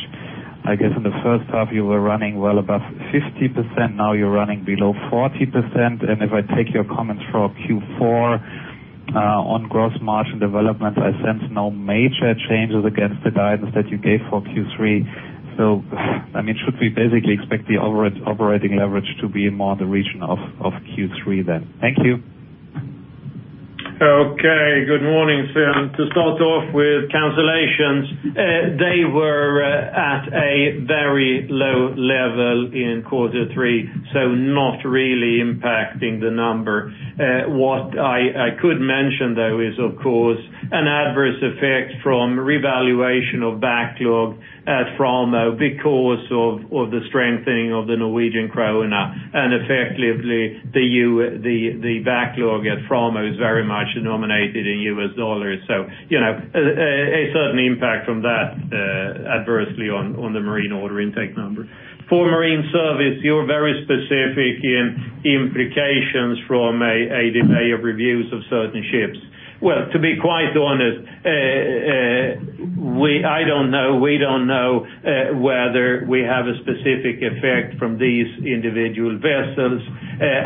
I guess in the first half, you were running well above 50%, now you're running below 40%. If I take your comments from Q4 on gross margin development, I sense no major changes against the guidance that you gave for Q3. Should we basically expect the operating leverage to be more in the region of Q3 then? Thank you. Okay, good morning, Sven. To start off with cancellations, they were at a very low level in quarter three, not really impacting the number. What I could mention though is, of course, an adverse effect from revaluation of backlog because of the strengthening of the Norwegian krone, and effectively, the backlog at Framo is very much nominated in US dollars. A certain impact from that adversely on the marine order intake number. For marine service, you're very specific in implications from a delay of reviews of certain ships. Well, to be quite honest, I don't know, we don't know whether we have a specific effect from these individual vessels.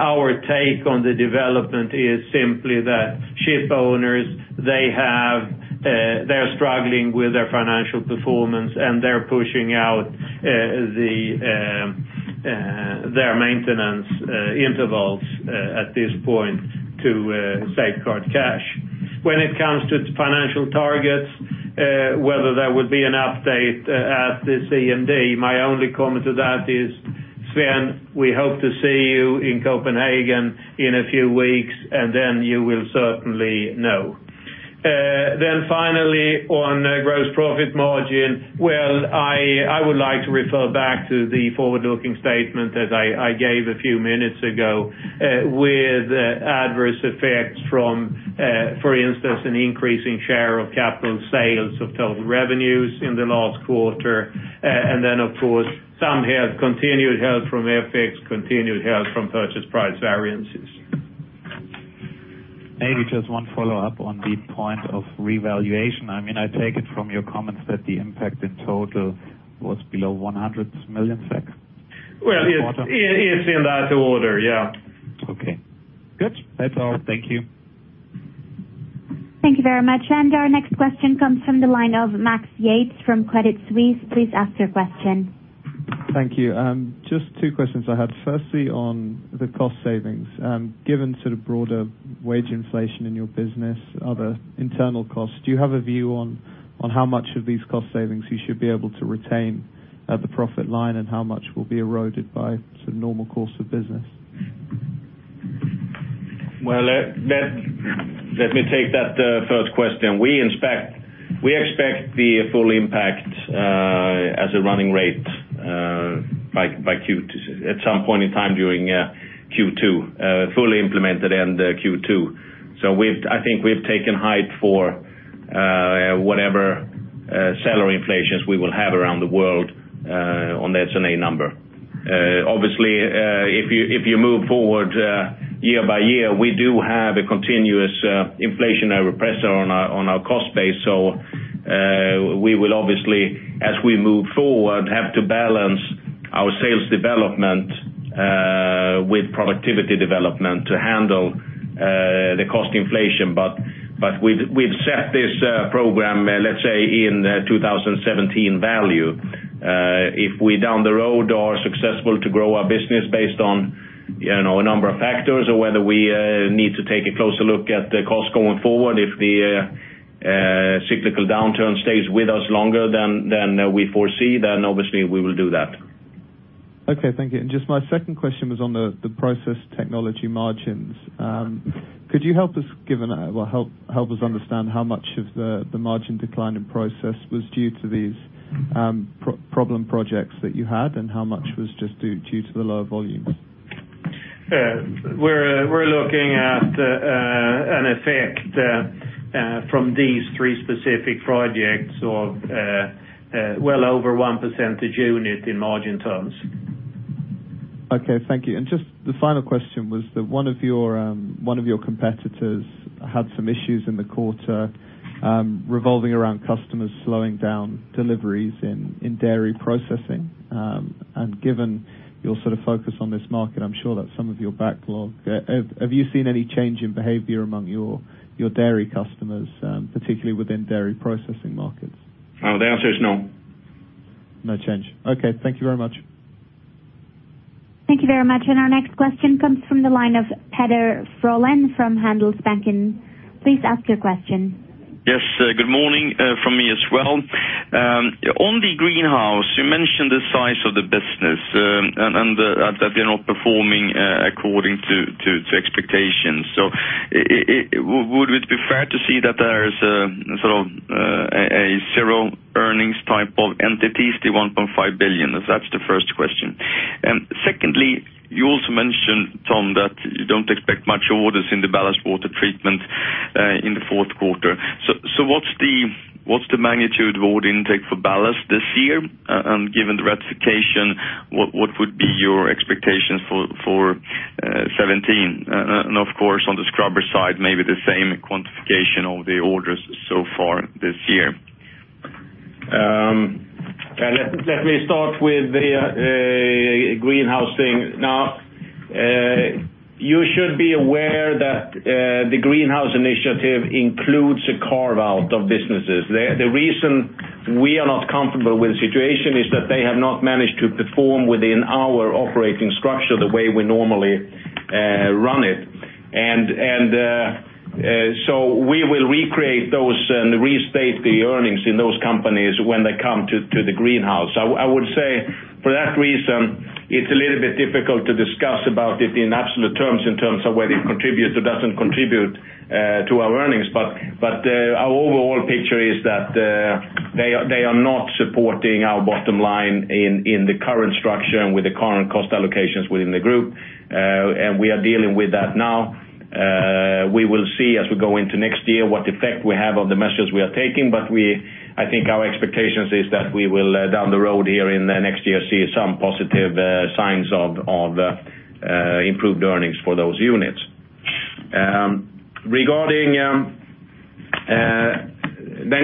Our take on the development is simply that ship owners, they are struggling with their financial performance, and they're pushing out their maintenance intervals, at this point, to safeguard cash. When it comes to financial targets, whether there would be an update at this CMD. My only comment to that is, Sven, we hope to see you in Copenhagen in a few weeks, you will certainly know. Finally, on gross profit margin. I would like to refer back to the forward-looking statement that I gave a few minutes ago, with adverse effects from for instance, an increasing share of capital sales of total revenues in the last quarter. Of course, some continued help from FX, continued help from purchase price variances. Maybe just one follow-up on the point of revaluation. I take it from your comments that the impact in total was below 100 million SEK? Well, it's in that order, yeah. Okay, good. That's all. Thank you. Thank you very much. Our next question comes from the line of Max Yates from Credit Suisse. Please ask your question. Thank you. Just two questions I had. Firstly, on the cost savings. Given sort of broader wage inflation in your business, other internal costs, do you have a view on how much of these cost savings you should be able to retain at the profit line, and how much will be eroded by sort of normal course of business? Well, let me take that first question. We expect the full impact as a running rate at some point in time during Q2. Fully implemented in Q2. I think we've taken height for whatever salary inflations we will have around the world on the S&A number. Obviously, if you move forward year by year, we do have a continuous inflationary pressure on our cost base. We will obviously, as we move forward, have to balance our sales development with productivity development to handle the cost inflation. We've set this program, let's say, in 2017 value. If we, down the road, are successful to grow our business based on a number of factors or whether we need to take a closer look at the cost going forward, if the cyclical downturn stays with us longer than we foresee, then obviously we will do that. Okay, thank you. Just my second question was on the process technology margins. Could you help us understand how much of the margin decline in process was due to these problem projects that you had, and how much was just due to the lower volumes? We're looking at an effect from these three specific projects of well over 1% a unit in margin terms. Okay, thank you. Just the final question was that one of your competitors had some issues in the quarter revolving around customers slowing down deliveries in dairy processing. Given your sort of focus on this market, I'm sure that's some of your backlog. Have you seen any change in behavior among your dairy customers, particularly within dairy processing markets? The answer is no. No change. Okay. Thank you very much. Thank you very much. Our next question comes from the line of Petter Froland from Handelsbanken. Please ask your question. Yes. Good morning from me as well. On the Greenhouse, you mentioned the size of the business, that they're not performing according to expectations. Would it be fair to see that there is a sort of a zero earnings type 0 of entities, the 1.5 billion? That's the first question. Secondly, you also mentioned, Tom, that you don't expect much orders in the ballast water treatment in Q4. What's the magnitude of order intake for ballast this year? And given the ratification, what would be your expectations for 2017? And of course, on the scrubber side, maybe the same quantification of the orders so far this year. Let me start with the Greenhouse thing. You should be aware that the Greenhouse initiative includes a carve-out of businesses. The reason we are not comfortable with the situation is that they have not managed to perform within our operating structure the way we normally run it. We will recreate those and restate the. Those companies when they come to the Greenhouse. I would say for that reason, it's a little bit difficult to discuss about it in absolute terms, in terms of whether it contributes or doesn't contribute to our earnings. Our overall picture is that they are not supporting our bottom line in the current structure and with the current cost allocations within the group, and we are dealing with that now. We will see as we go into next year what effect we have of the measures we are taking. I think our expectations is that we will, down the road here in the next year, see some positive signs of improved earnings for those units. Regarding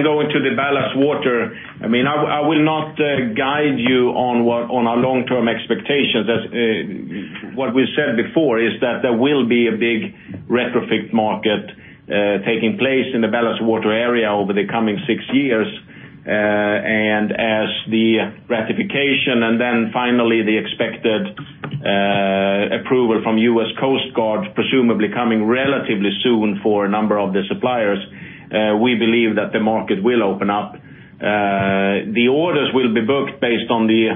going to the ballast water, I will not guide you on our long-term expectations. What we said before is that there will be a big retrofit market taking place in the ballast water area over the coming six years. As the ratification, and finally the expected approval from U.S. Coast Guard, presumably coming relatively soon for a number of the suppliers, we believe that the market will open up. The orders will be booked based on the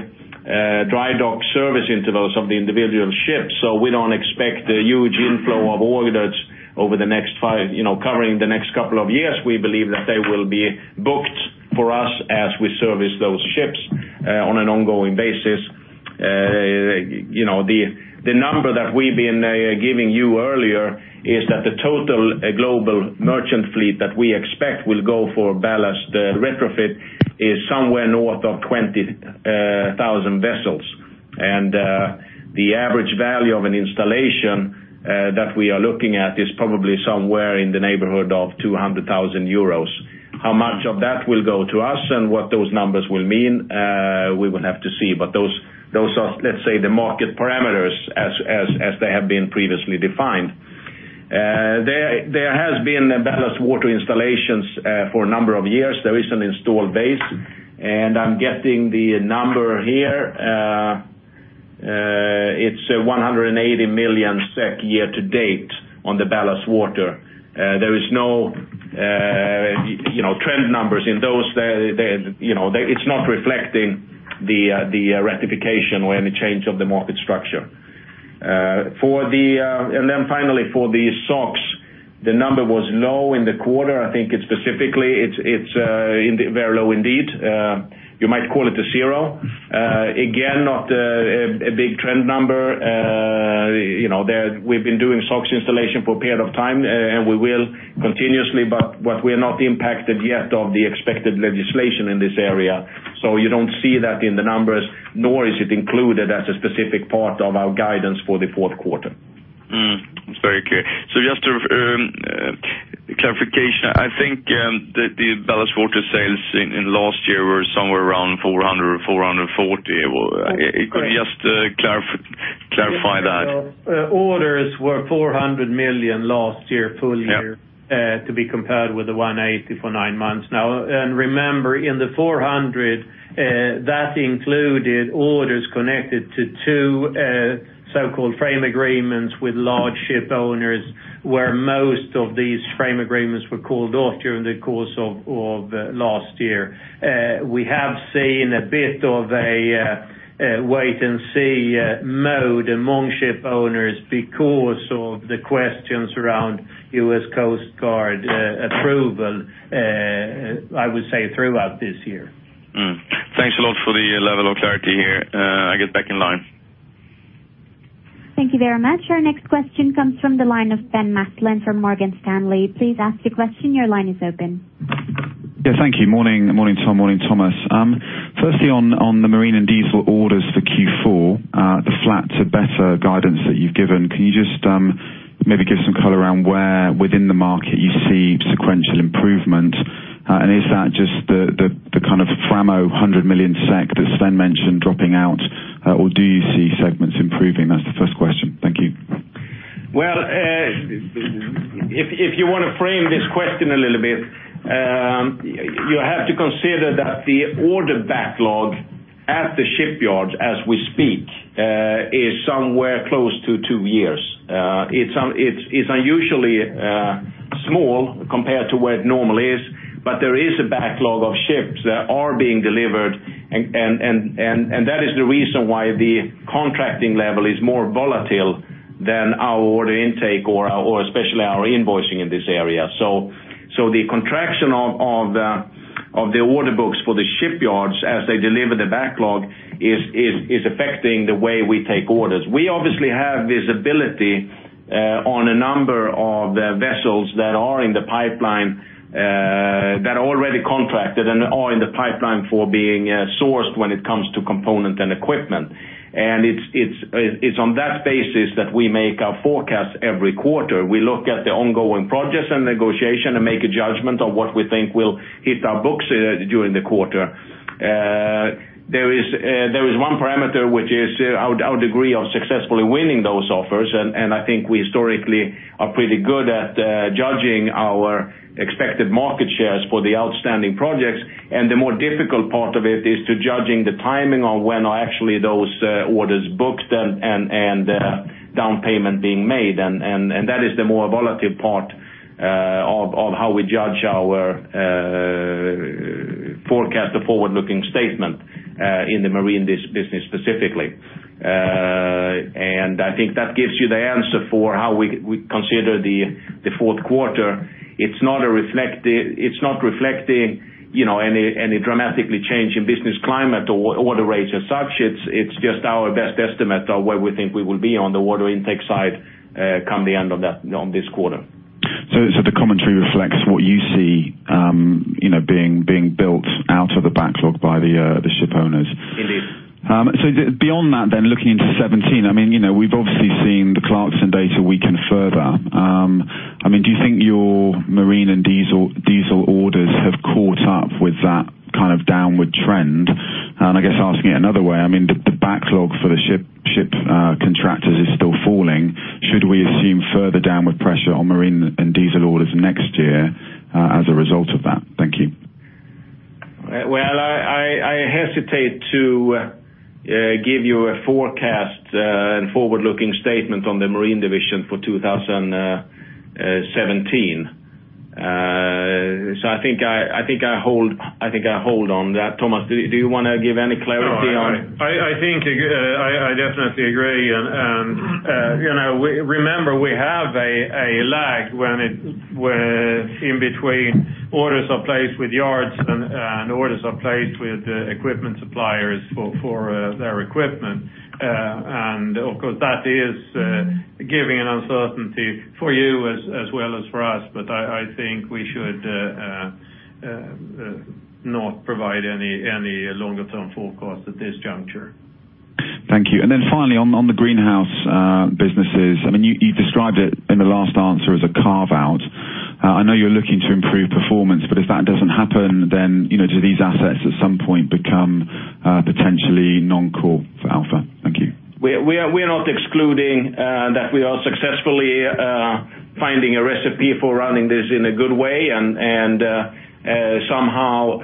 dry dock service intervals of the individual ships. We don't expect a huge inflow of orders covering the next couple of years. We believe that they will be booked for us as we service those ships on an ongoing basis. The number that we've been giving you earlier is that the total global merchant fleet that we expect will go for ballast. The retrofit is somewhere north of 20,000 vessels, and the average value of an installation that we are looking at is probably somewhere in the neighborhood of 200,000 euros. How much of that will go to us and what those numbers will mean, we will have to see. Those are, let's say, the market parameters as they have been previously defined. There has been ballast water installations for a number of years. There is an install base, and I'm getting the number here. It's 180 million SEK year to date on the ballast water. There is no trend numbers in those. It's not reflecting the ratification or any change of the market structure. Finally, for the SOx, the number was low in the quarter. I think it's specifically, it's very low indeed. You might call it a zero. Again, not a big trend number. We've been doing SOx installation for a period of time, we will continuously, we're not impacted yet of the expected legislation in this area. You don't see that in the numbers, nor is it included as a specific part of our guidance for the fourth quarter. It's very clear. Just a clarification, I think the ballast water sales in last year were somewhere around 400 or 440. Could you just clarify that? Orders were 400 million last year, full year, to be compared with the 180 million for nine months now. Remember, in the 400 million, that included orders connected to two so-called frame agreements with large ship owners, where most of these frame agreements were called off during the course of last year. We have seen a bit of a wait-and-see mode among ship owners because of the questions around US Coast Guard approval, I would say, throughout this year. Thanks a lot for the level of clarity here. I get back in line. Thank you very much. Our next question comes from the line of Ben Mathlin from Morgan Stanley. Please ask your question. Your line is open. Yeah, thank you. Morning, Tom. Morning, Thomas. Firstly, on the marine and diesel orders for Q4, the flat to better guidance that you've given, can you just maybe give some color around where within the market you see sequential improvement? Is that just the kind of Framo 100 million SEK that Sven mentioned dropping out, or do you see segments improving? That's the first question. Thank you. Well, if you want to frame this question a little bit, you have to consider that the order backlog at the shipyards as we speak is somewhere close to two years. It's unusually small compared to where it normally is, but there is a backlog of ships that are being delivered, and that is the reason why the contracting level is more volatile than our order intake, or especially our invoicing in this area. The contraction of the order books for the shipyards as they deliver the backlog is affecting the way we take orders. We obviously have visibility on a number of vessels that are in the pipeline that are already contracted and are in the pipeline for being sourced when it comes to component and equipment. It's on that basis that we make our forecast every quarter. We look at the ongoing projects and negotiation and make a judgment on what we think will hit our books during the quarter. There is one parameter which is our degree of successfully winning those offers, and I think we historically are pretty good at judging our expected market shares for the outstanding projects. The more difficult part of it is to judging the timing on when are actually those orders booked and down payment being made, and that is the more volatile part of how we judge our forecast, the forward-looking statement in the marine business specifically. I think that gives you the answer for how we consider the fourth quarter. It's not reflecting any dramatically change in business climate or order rates as such. It's just our best estimate of where we think we will be on the water intake side come the end of this quarter. The commentary reflects what you see being built out of the backlog by the shipowners. Indeed. Beyond that then, looking into 2017, we've obviously seen the Clarksons data weaken further. Do you think your marine and diesel orders have caught up with that kind of downward trend? I guess asking it another way, the backlog for the ship contractors is still falling. Should we assume further downward pressure on marine and diesel orders next year as a result of that? Thank you. Well, I hesitate to give you a forecast and forward-looking statement on the marine division for 2017. I think I hold on that. Thomas, do you want to give any clarity on- No, I think I definitely agree, and remember, we have a lag in between orders are placed with yards, and orders are placed with equipment suppliers for their equipment. Of course, that is giving an uncertainty for you as well as for us. I think we should not provide any longer-term forecast at this juncture. Thank you. Finally on the Greenhouse businesses, you described it in the last answer as a carve-out. I know you're looking to improve performance, but if that doesn't happen, do these assets at some point become potentially non-core for Alfa? Thank you. We are not excluding that we are successfully finding a recipe for running this in a good way, and somehow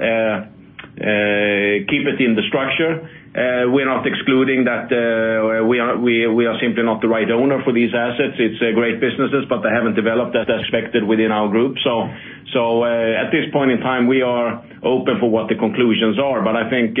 keep it in the structure. We are not excluding that we are simply not the right owner for these assets. It's a great business, but they haven't developed as expected within our group. At this point in time, we are open for what the conclusions are. I think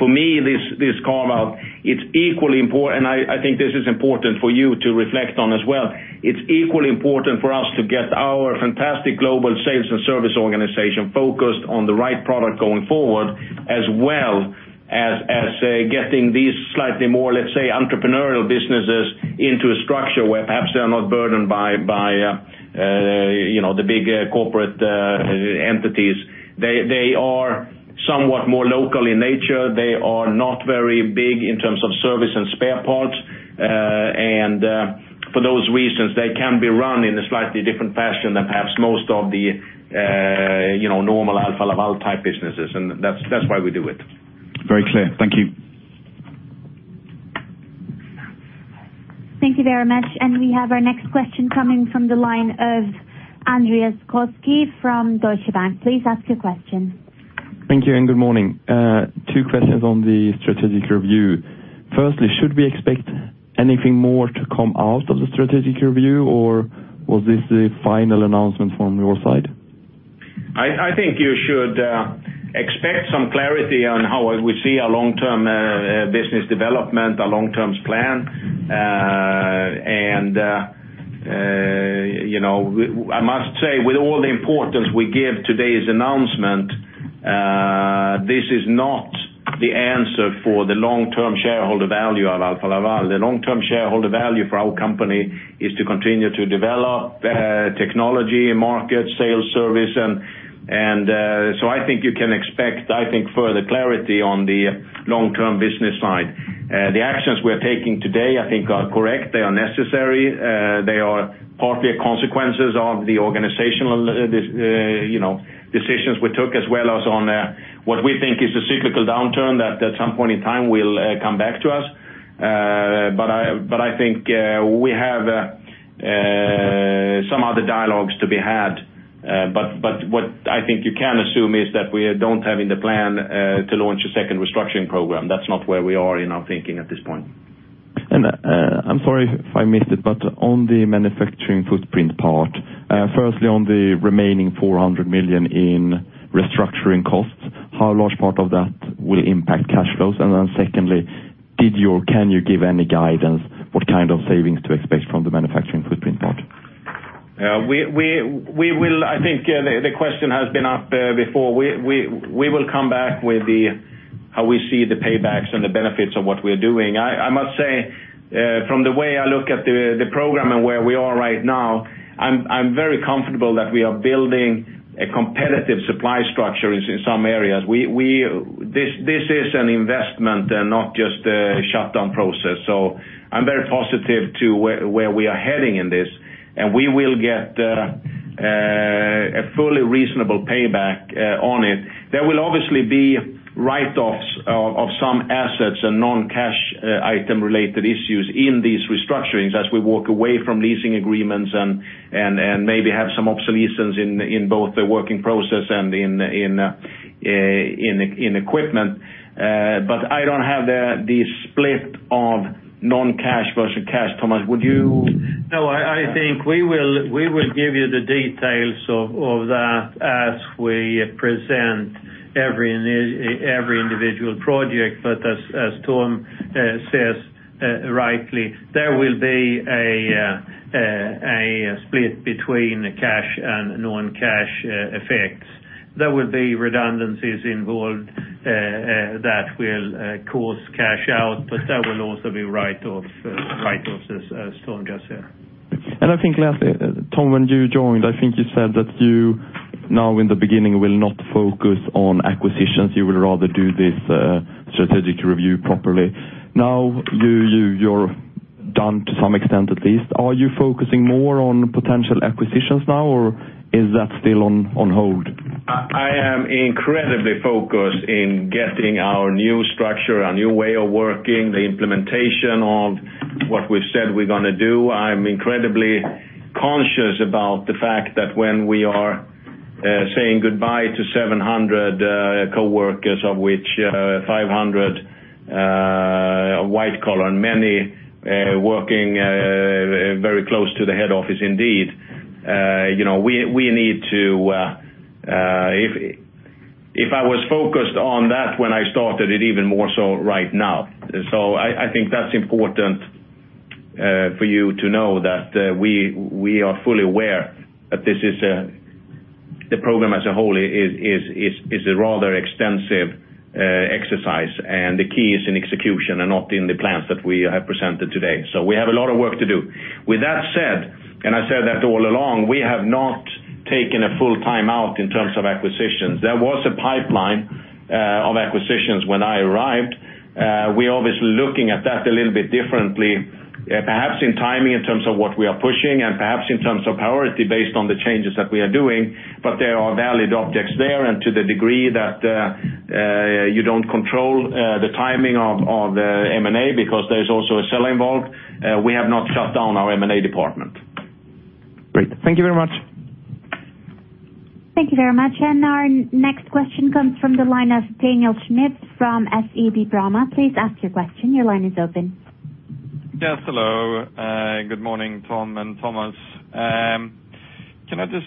for me, this carve-out, and I think this is important for you to reflect on as well. It's equally important for us to get our fantastic global sales and service organization focused on the right product going forward, as well as getting these slightly more, let's say, entrepreneurial businesses into a structure where perhaps they're not burdened by the big corporate entities. They are somewhat more local in nature. They are not very big in terms of service and spare parts. For those reasons, they can be run in a slightly different fashion than perhaps most of the normal Alfa Laval type businesses, and that's why we do it. Very clear. Thank you. Thank you very much. We have our next question coming from the line of Andreas Koski from Deutsche Bank. Please ask your question. Thank you, good morning. Two questions on the strategic review. Should we expect anything more to come out of the strategic review, or was this the final announcement from your side? I think you should expect some clarity on how we see a long-term business development, a long-term plan. I must say, with all the importance we give today's announcement, this is not the answer for the long-term shareholder value at Alfa Laval. The long-term shareholder value for our company is to continue to develop technology, market, sales, service. I think you can expect, I think, further clarity on the long-term business side. The actions we're taking today, I think are correct. They are necessary. They are partly consequences of the organizational decisions we took, as well as on what we think is a cyclical downturn that at some point in time will come back to us. I think we have some other dialogues to be had. What I think you can assume is that we don't have in the plan to launch a second restructuring program. That's not where we are in our thinking at this point. I'm sorry if I missed it, but on the manufacturing footprint part, firstly on the remaining 400 million in restructuring costs, how large part of that will impact cash flows? Secondly, can you give any guidance what kind of savings to expect from the manufacturing footprint part? I think the question has been up before. We will come back with how we see the paybacks and the benefits of what we are doing. I must say, from the way I look at the program and where we are right now, I'm very comfortable that we are building a competitive supply structure in some areas. This is an investment and not just a shutdown process, so I'm very positive to where we are heading in this, and we will get a fully reasonable payback on it. There will obviously be write-offs of some assets and non-cash item related issues in these restructurings as we walk away from leasing agreements and maybe have some obsolescence in both the working process and in equipment. But I don't have the split of non-cash versus cash. Thomas, would you? I think we will give you the details of that as we present every individual project. As Tom says rightly, there will be a split between cash and non-cash effects. There will be redundancies involved, that will cause cash out, but there will also be write-offs, as Tom just said. I think lastly, Tom, when you joined, I think you said that you now in the beginning will not focus on acquisitions. You would rather do this strategic review properly. Now, you're done to some extent, at least. Are you focusing more on potential acquisitions now, or is that still on hold? I am incredibly focused on getting our new structure, our new way of working, the implementation of what we've said we're going to do. I'm incredibly conscious about the fact that when we are saying goodbye to 700 coworkers, of which 500 are white collar and many working very close to the head office indeed. If I was focused on that when I started, it even more so right now. I think that's important for you to know that we are fully aware that the program as a whole is a rather extensive exercise, and the key is in execution and not in the plans that we have presented today. We have a lot of work to do. With that said, and I said that all along, we have not taken a full timeout in terms of acquisitions. There was a pipeline of acquisitions when I arrived. We're obviously looking at that a little bit differently, perhaps in timing in terms of what we are pushing and perhaps in terms of priority based on the changes that we are doing. There are valid objects there, and to the degree that you don't control the timing of the M&A because there is also a seller involved. We have not shut down our M&A department. Great. Thank you very much. Thank you very much. Our next question comes from the line of Daniel Schmidt from SEB. Please ask your question. Your line is open. Yes, hello. Good morning, Tom and Thomas. Can I just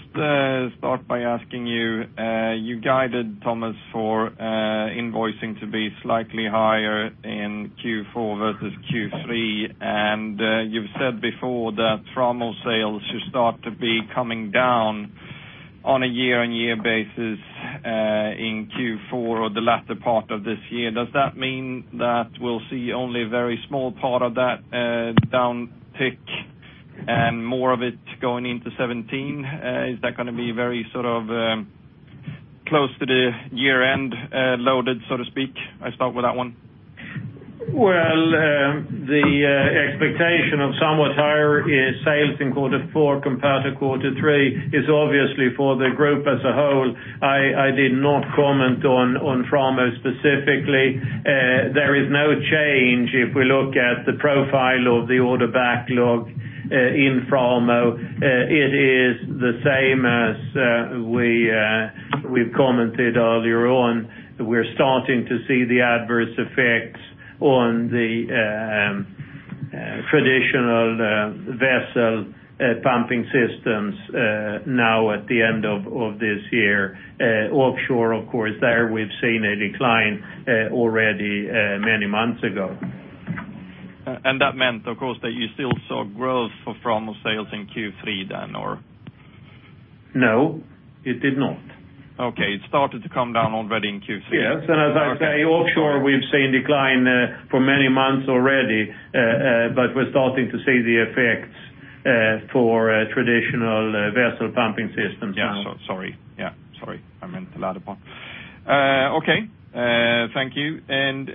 start by asking you guided Thomas for invoicing to be slightly higher in Q4 versus Q3, and you've said before that Framo sales should start to be coming down on a year-on-year basis, in Q4 or the latter part of this year. Does that mean that we'll see only a very small part of that down tick and more of it going into 2017? Is that going to be very close to the year-end loaded, so to speak? I start with that one. Well, the expectation of somewhat higher sales in quarter four compared to quarter three is obviously for the group as a whole. I did not comment on Framo specifically. There is no change if we look at the profile of the order backlog in Framo. It is the same as we've commented earlier on. We're starting to see the adverse effects on the traditional vessel pumping systems now at the end of this year. Offshore, of course, there we've seen a decline already many months ago. That meant, of course, that you still saw growth for Framo sales in Q3 then or? No, it did not. Okay. It started to come down already in Q3. Yes. As I say, offshore, we've seen decline for many months already, but we're starting to see the effects for traditional vessel pumping systems now. Yeah. Sorry. I meant the latter part. Okay. Thank you. Then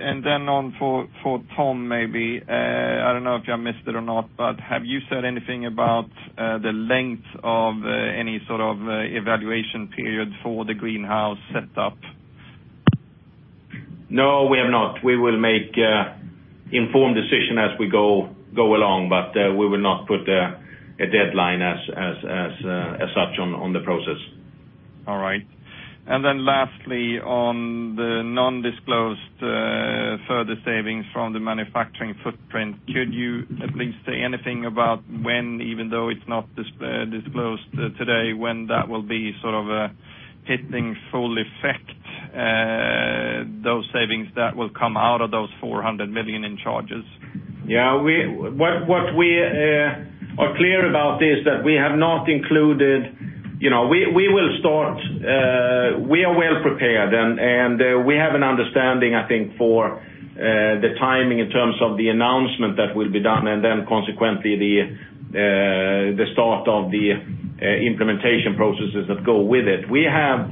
for Tom, maybe. I don't know if you missed it or not, but have you said anything about the length of any sort of evaluation period for the Greenhouse set up? No, we have not. We will make informed decision as we go along, but we will not put a deadline as such on the process. Lastly, on the non-disclosed further savings from the manufacturing footprint, could you at least say anything about when, even though it's not disclosed today, when that will be hitting full effect, those savings that will come out of those 400 million in charges? Yeah. What we are clear about is that we have not. We are well prepared, and we have an understanding, I think, for the timing in terms of the announcement that will be done, consequently, the start of the implementation processes that go with it. We have,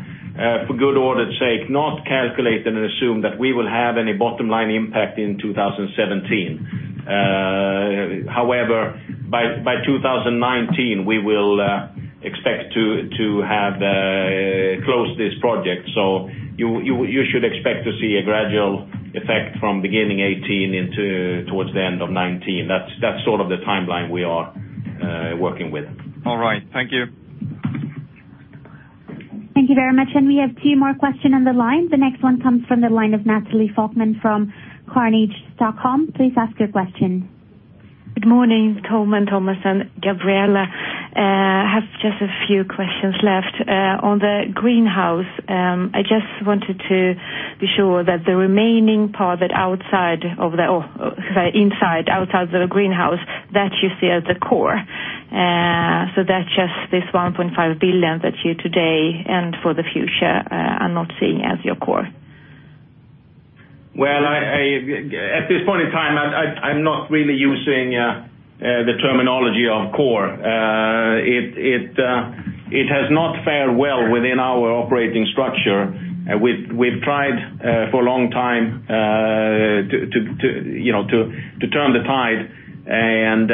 for good order's sake, not calculated and assumed that we will have any bottom-line impact in 2017. However, by 2019, we will expect to have closed this project. You should expect to see a gradual effect from beginning 2018 towards the end of 2019. That's sort of the timeline we are working with. All right. Thank you. Thank you very much. We have two more question on the line. The next one comes from the line of Natalie Falkman from Carnegie. Please ask your question. Good morning, Tom and Thomas and Gabriella. I have just a few questions left. On the Greenhouse, I just wanted to be sure that the remaining part that inside, outside the Greenhouse, that you see as the core. That's just this 1.5 billion that you today, and for the future, are not seeing as your core. Well, at this point in time, I'm not really using the terminology of core. It has not fared well within our operating structure. We've tried for a long time to turn the tide and,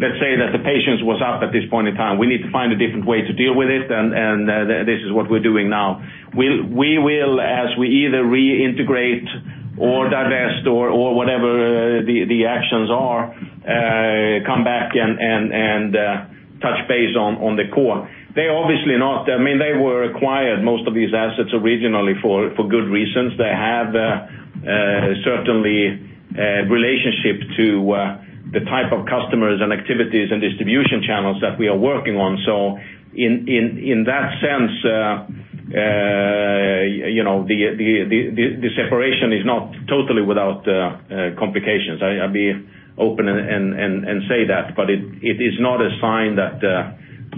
let's say that the patience was up at this point in time. We need to find a different way to deal with it, and this is what we're doing now. We will, as we either reintegrate or divest or whatever the actions are, come back and touch base on the core. They were acquired, most of these assets, originally for good reasons. They have, certainly, relationship to the type of customers and activities and distribution channels that we are working on. In that sense, the separation is not totally without complications. I'll be open and say that, it is not a sign that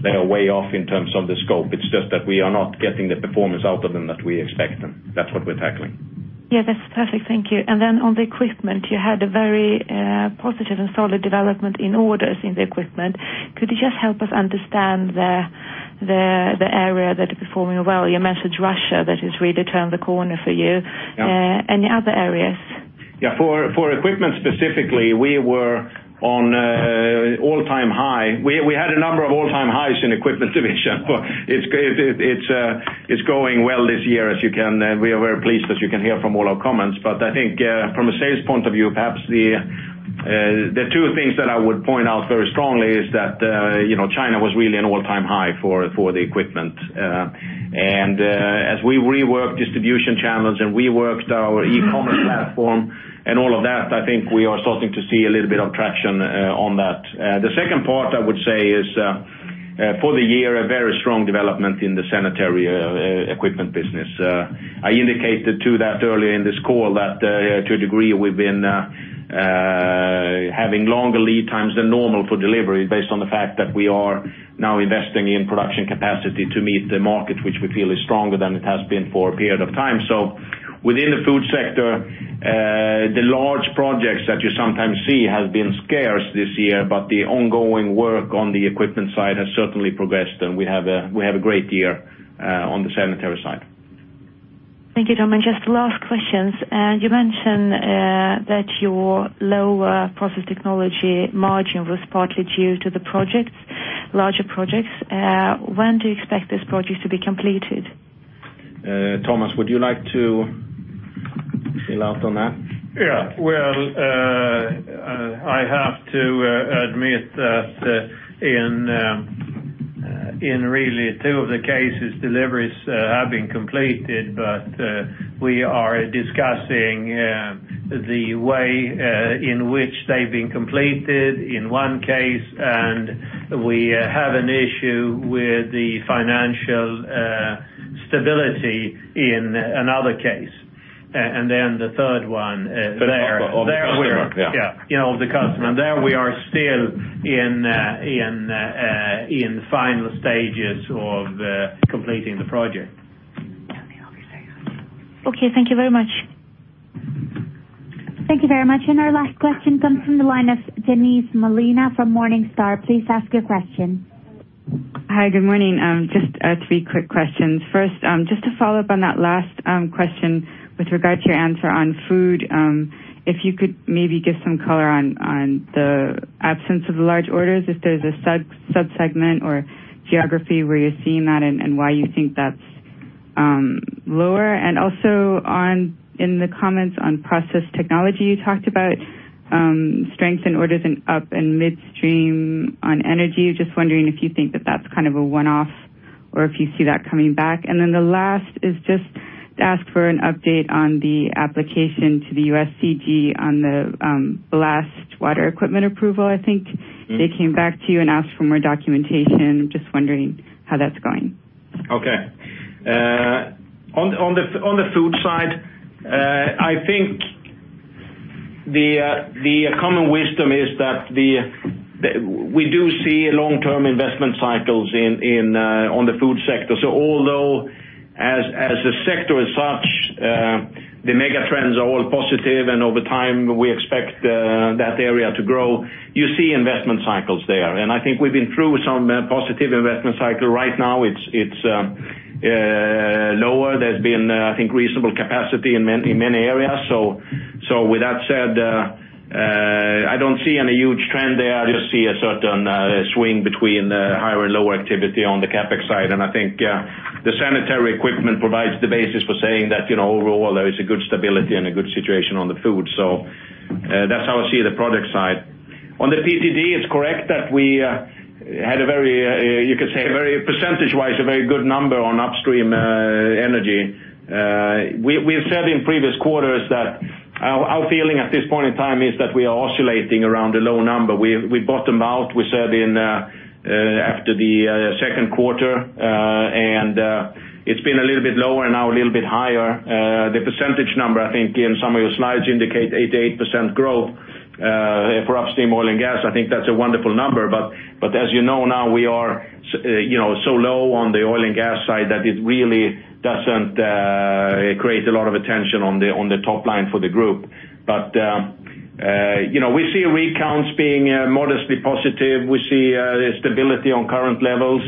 they are way off in terms of the scope. It's just that we are not getting the performance out of them that we expect them. That's what we're tackling. Yeah. That's perfect. Thank you. On the equipment, you had a very positive and solid development in orders in the equipment. Could you just help us understand the area that are performing well? You mentioned Russia, that has really turned the corner for you. Yeah. Any other areas? Yeah. For equipment specifically, we were on all-time high. We had a number of all-time highs in Equipment Division. It is going well this year, we are very pleased, as you can hear from all our comments. I think from a sales point of view, perhaps the two things that I would point out very strongly is that, China was really an all-time high for the equipment. As we reworked distribution channels and reworked our e-commerce platform and all of that, I think we are starting to see a little bit of traction on that. The second part, I would say, is for the year, a very strong development in the sanitary equipment business. I indicated to that earlier in this call that, to a degree, we have been having longer lead times than normal for delivery based on the fact that we are now investing in production capacity to meet the market, which we feel is stronger than it has been for a period of time. Within the food sector, the large projects that you sometimes see have been scarce this year, but the ongoing work on the equipment side has certainly progressed, and we have a great year on the sanitary side. Thank you, Tom. Just last questions. You mentioned that your lower process technology margin was partly due to the larger projects. When do you expect this project to be completed? Thomas, would you like to fill out on that? Yeah. Well, I have to admit that in really two of the cases, deliveries have been completed, but we are discussing the way in which they've been completed in one case, and we have an issue with the financial stability in another case. The third one- Of the customer. Yeah there, yeah, of the customer, there we are still in the final stages of completing the project. Okay. Thank you very much. Thank you very much. Our last question comes from the line of Denise Molina from Morningstar. Please ask your question. Hi. Good morning. Just three quick questions. First, to follow up on that last question with regard to your answer on food, if you could maybe give some color on the absence of the large orders, if there's a sub-segment or geography where you're seeing that and why you think that's lower. Also, in the comments on process technology, you talked about strength in orders in up and midstream on energy. Just wondering if you think that that's kind of a one-off or if you see that coming back. Then the last is just to ask for an update on the application to the USCG on the ballast water equipment approval, I think. They came back to you and asked for more documentation. Just wondering how that's going. Okay. On the food side, I think the common wisdom is that we do see long-term investment cycles on the food sector. Although as a sector as such, the mega trends are all positive, and over time we expect that area to grow, you see investment cycles there. I think we've been through some positive investment cycle. Right now it's lower. There's been, I think, reasonable capacity in many areas. With that said, I don't see any huge trend there. I just see a certain swing between higher and lower activity on the CapEx side. I think the sanitary equipment provides the basis for saying that, overall, there is a good stability and a good situation on the food. That's how I see the product side. On the PTD, it's correct that we had, you could say, percentage-wise, a very good number on upstream energy. We've said in previous quarters that our feeling at this point in time is that we are oscillating around a low number. We bottomed out, we said, after the second quarter, and it's been a little bit lower, now a little bit higher. The percentage number, I think in some of your slides indicate 8% growth for upstream oil and gas. I think that's a wonderful number, but as you know now, we are so low on the oil and gas side that it really doesn't create a lot of attention on the top line for the group. We see rig counts being modestly positive. We see stability on current levels.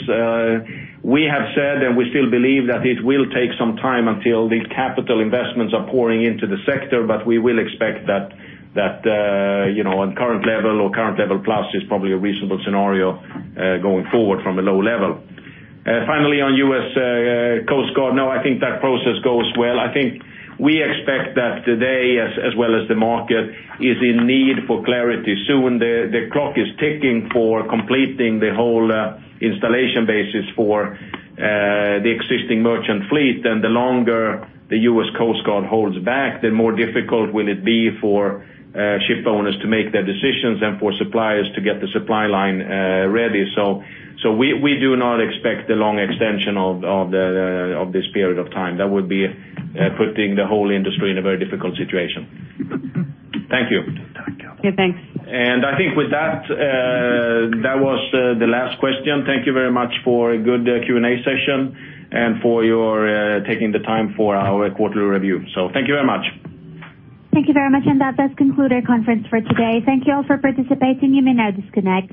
We have said, and we still believe that it will take some time until these capital investments are pouring into the sector, but we will expect that on current level or current level plus is probably a reasonable scenario going forward from a low level. Finally, on US Coast Guard. I think that process goes well. I think we expect that today, as well as the market, is in need for clarity soon. The clock is ticking for completing the whole installation basis for the existing merchant fleet, and the longer the US Coast Guard holds back, the more difficult will it be for ship owners to make their decisions and for suppliers to get the supply line ready. We do not expect the long extension of this period of time. That would be putting the whole industry in a very difficult situation. Thank you. Okay, thanks. I think with that was the last question. Thank you very much for a good Q&A session and for your taking the time for our quarterly review. Thank you very much. Thank you very much, and that does conclude our conference for today. Thank you all for participating. You may now disconnect.